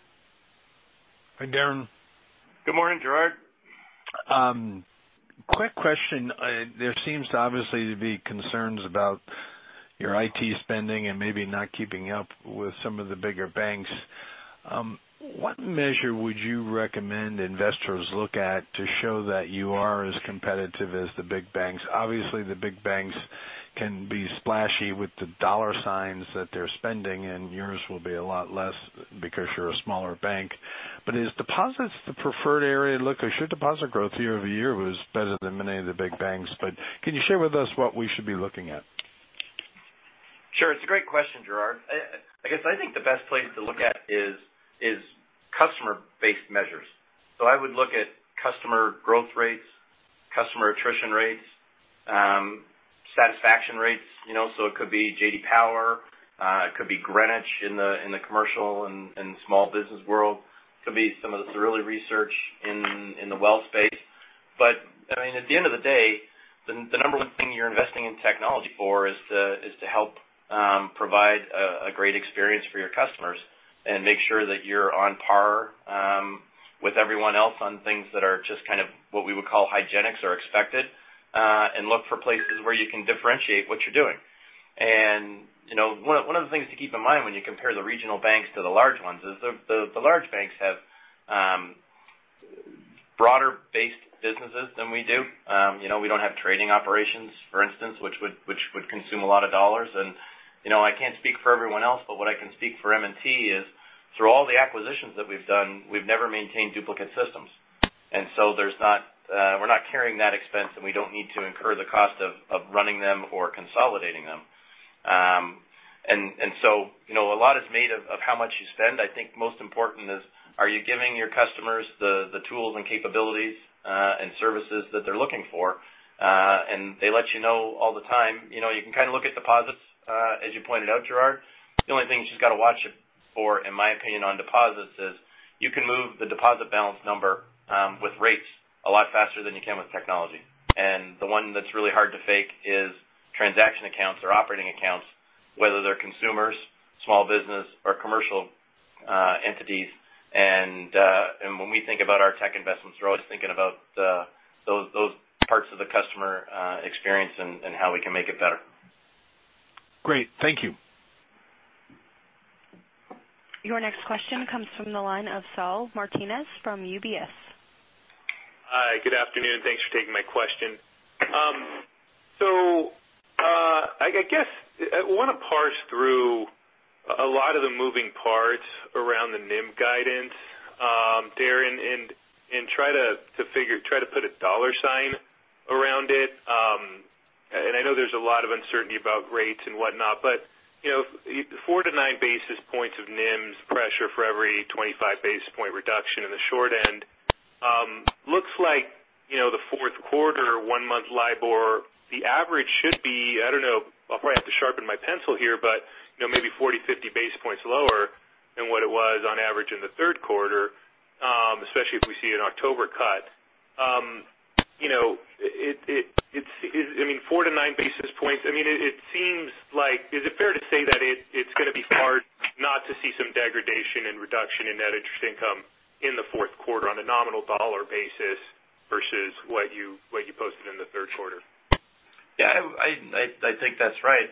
Hi, Darren. Good morning, Gerard. Quick question. There seems to obviously be concerns about your IT spending and maybe not keeping up with some of the bigger banks. What measure would you recommend investors look at to show that you are as competitive as the big banks? Obviously, the big banks can be splashy with the dollar signs that they're spending, and yours will be a lot less because you're a smaller bank. Is deposits the preferred area to look? Your deposit growth year-over-year was better than many of the big banks. Can you share with us what we should be looking at? Sure. It's a great question, Gerard. I guess I think the best place to look at is customer-based measures. I would look at customer growth rates, customer attrition rates, satisfaction rates. It could be J.D. Power, it could be Greenwich in the commercial and small business world. It could be some of the Cerulli research in the wealth space. At the end of the day, the number one thing you're investing in technology for is to help provide a great experience for your customers and make sure that you're on par with everyone else on things that are just kind of what we would call hygienics or expected, and look for places where you can differentiate what you're doing. One of the things to keep in mind when you compare the regional banks to the large ones is the large banks have broader-based businesses than we do. We don't have trading operations, for instance, which would consume a lot of dollars. I can't speak for everyone else, but what I can speak for M&T is through all the acquisitions that we've done, we've never maintained duplicate systems. We're not carrying that expense, and we don't need to incur the cost of running them or consolidating them. A lot is made of how much you spend. I think most important is, are you giving your customers the tools and capabilities and services that they're looking for? They let you know all the time. You can kind of look at deposits, as you pointed out, Gerard. The only thing you just got to watch for, in my opinion, on deposits is you can move the deposit balance number with rates a lot faster than you can with technology. The one that's really hard to fake is transaction accounts or operating accounts, whether they're consumers, small business, or commercial entities. When we think about our tech investments, we're always thinking about those parts of the customer experience and how we can make it better. Great. Thank you. Your next question comes from the line of Saul Martinez from UBS. Hi, good afternoon. Thanks for taking my question. I guess I want to parse through a lot of the moving parts around the NIM guidance. Try to put a dollar sign around it. I know there's a lot of uncertainty about rates and whatnot, but four to nine basis points of NIMs pressure for every 25 basis point reduction in the short end. Looks like the fourth quarter one-month LIBOR, the average should be, I don't know, I'll probably have to sharpen my pencil here, but maybe 40, 50 basis points lower than what it was on average in the third quarter, especially if we see an October cut. I mean, four to nine basis points. Is it fair to say that it's going to be hard not to see some degradation and reduction in net interest income in the fourth quarter on a nominal dollar basis versus what you posted in the third quarter? Yeah. I think that's right.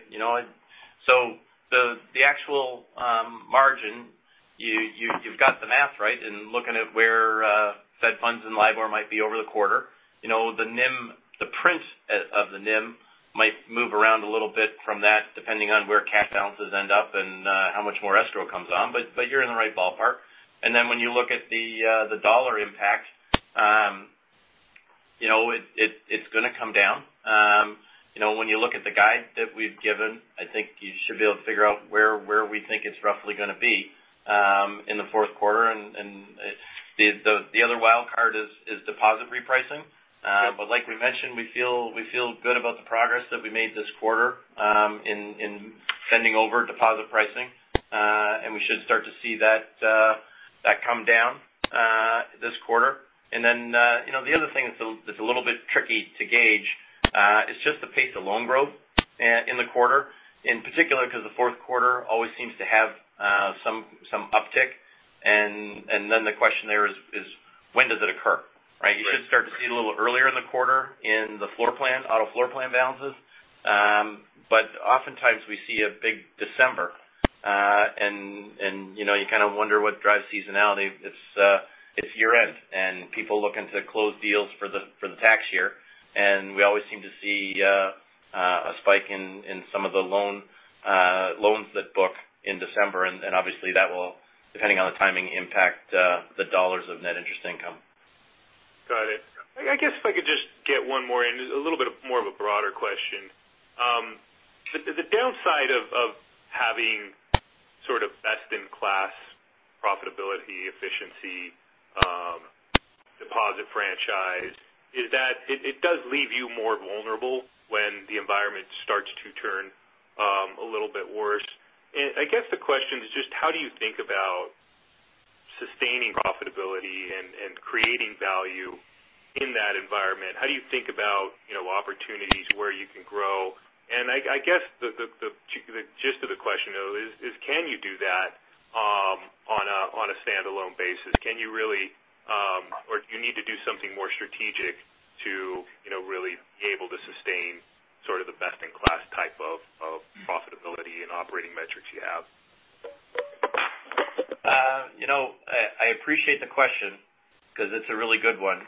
The actual margin, you've got the math right in looking at where Fed Funds and LIBOR might be over the quarter. The NIM, the prints of the NIM might move around a little bit from that, depending on where cash balances end up and how much more escrow comes on. You're in the right ballpark. When you look at the dollar impact, it's going to come down. When you look at the guide that we've given, I think you should be able to figure out where we think it's roughly going to be in the fourth quarter. The other wild card is deposit repricing. Sure. Like we mentioned, we feel good about the progress that we made this quarter in fending over deposit pricing. We should start to see that come down this quarter. The other thing that's a little bit tricky to gauge is just the pace of loan growth in the quarter, in particular because the fourth quarter always seems to have some uptick. The question there is when does it occur? Right. Right. You should start to see a little earlier in the quarter in the floor plan, auto floor plan balances. Oftentimes we see a big December. You kind of wonder what drives seasonality. It's year-end, and people looking to close deals for the tax year. We always seem to see a spike in some of the loans that book in December, and obviously that will, depending on the timing impact the dollars of net interest income. Got it. I guess if I could just get one more in, a little bit more of a broader question. The downside of having sort of best-in-class profitability, efficiency, deposit franchise is that it does leave you more vulnerable when the environment starts to turn a little bit worse. I guess the question is just how do you think about sustaining profitability and creating value in that environment? How do you think about opportunities where you can grow? I guess the gist of the question though is can you do that on a standalone basis? Can you really or do you need to do something more strategic to really be able to sustain sort of the best-in-class type of profitability and operating metrics you have? I appreciate the question because it's a really good one.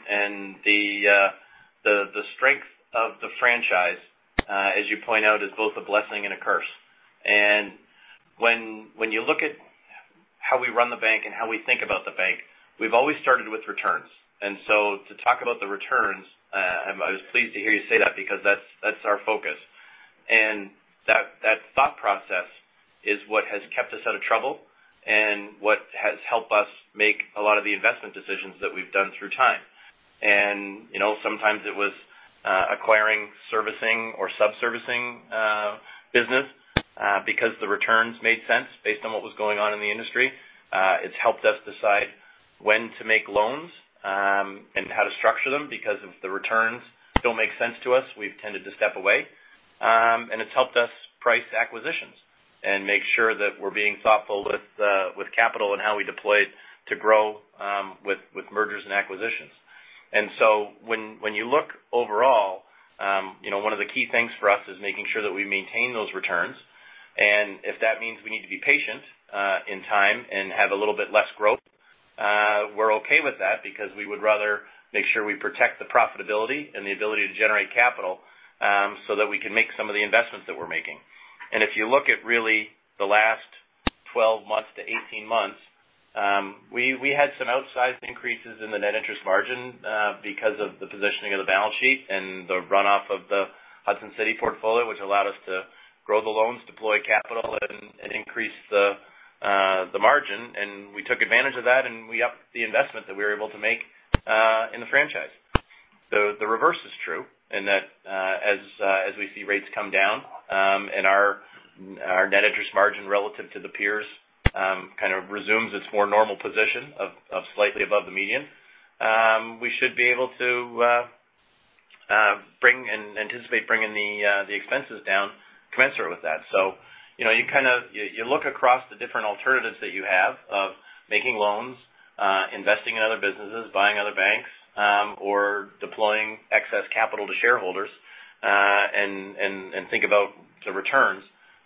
The strength of the franchise, as you point out, is both a blessing and a curse. When you look at how we run the bank and how we think about the bank, we've always started with returns. To talk about the returns, I was pleased to hear you say that because that's our focus. That thought process is what has kept us out of trouble and what has helped us make a lot of the investment decisions that we've done through time. Sometimes it was acquiring servicing or sub-servicing business because the returns made sense based on what was going on in the industry. It's helped us decide when to make loans, and how to structure them because if the returns don't make sense to us, we've tended to step away. It's helped us price acquisitions and make sure that we're being thoughtful with capital and how we deploy it to grow with mergers and acquisitions. When you look overall, one of the key things for us is making sure that we maintain those returns. If that means we need to be patient in time and have a little bit less growth, we're okay with that because we would rather make sure we protect the profitability and the ability to generate capital, so that we can make some of the investments that we're making. If you look at really the last 12 months to 18 months, we had some outsized increases in the net interest margin because of the positioning of the balance sheet and the runoff of the Hudson City portfolio, which allowed us to grow the loans, deploy capital and increase the margin. We took advantage of that, and we upped the investment that we were able to make in the franchise. The reverse is true in that as we see rates come down and our net interest margin relative to the peers kind of resumes its more normal position of slightly above the median. We should be able to anticipate bringing the expenses down commensurate with that. You look across the different alternatives that you have of making loans, investing in other businesses, buying other banks, or deploying excess capital to shareholders, and think about the returns.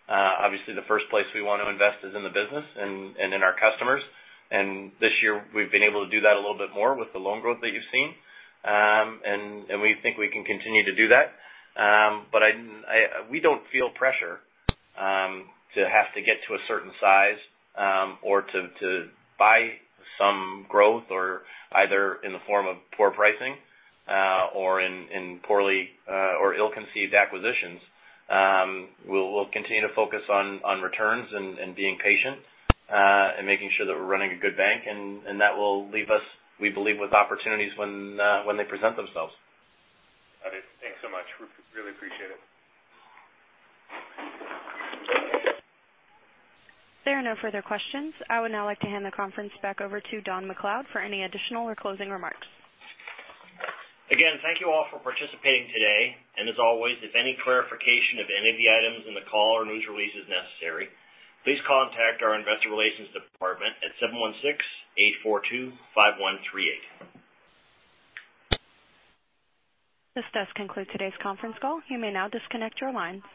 Obviously, the first place we want to invest is in the business and in our customers. This year we've been able to do that a little bit more with the loan growth that you've seen. We think we can continue to do that. We don't feel pressure to have to get to a certain size or to buy some growth or either in the form of poor pricing or in poorly or ill-conceived acquisitions. We'll continue to focus on returns and being patient and making sure that we're running a good bank, and that will leave us, we believe, with opportunities when they present themselves. Got it. Thanks so much. Really appreciate it. There are no further questions. I would now like to hand the conference back over to Don McLeod for any additional or closing remarks. Again, thank you all for participating today. As always, if any clarification of any of the items in the call or news release is necessary, please contact our investor relations department at 716-842-5138. This does conclude today's conference call. You may now disconnect your lines.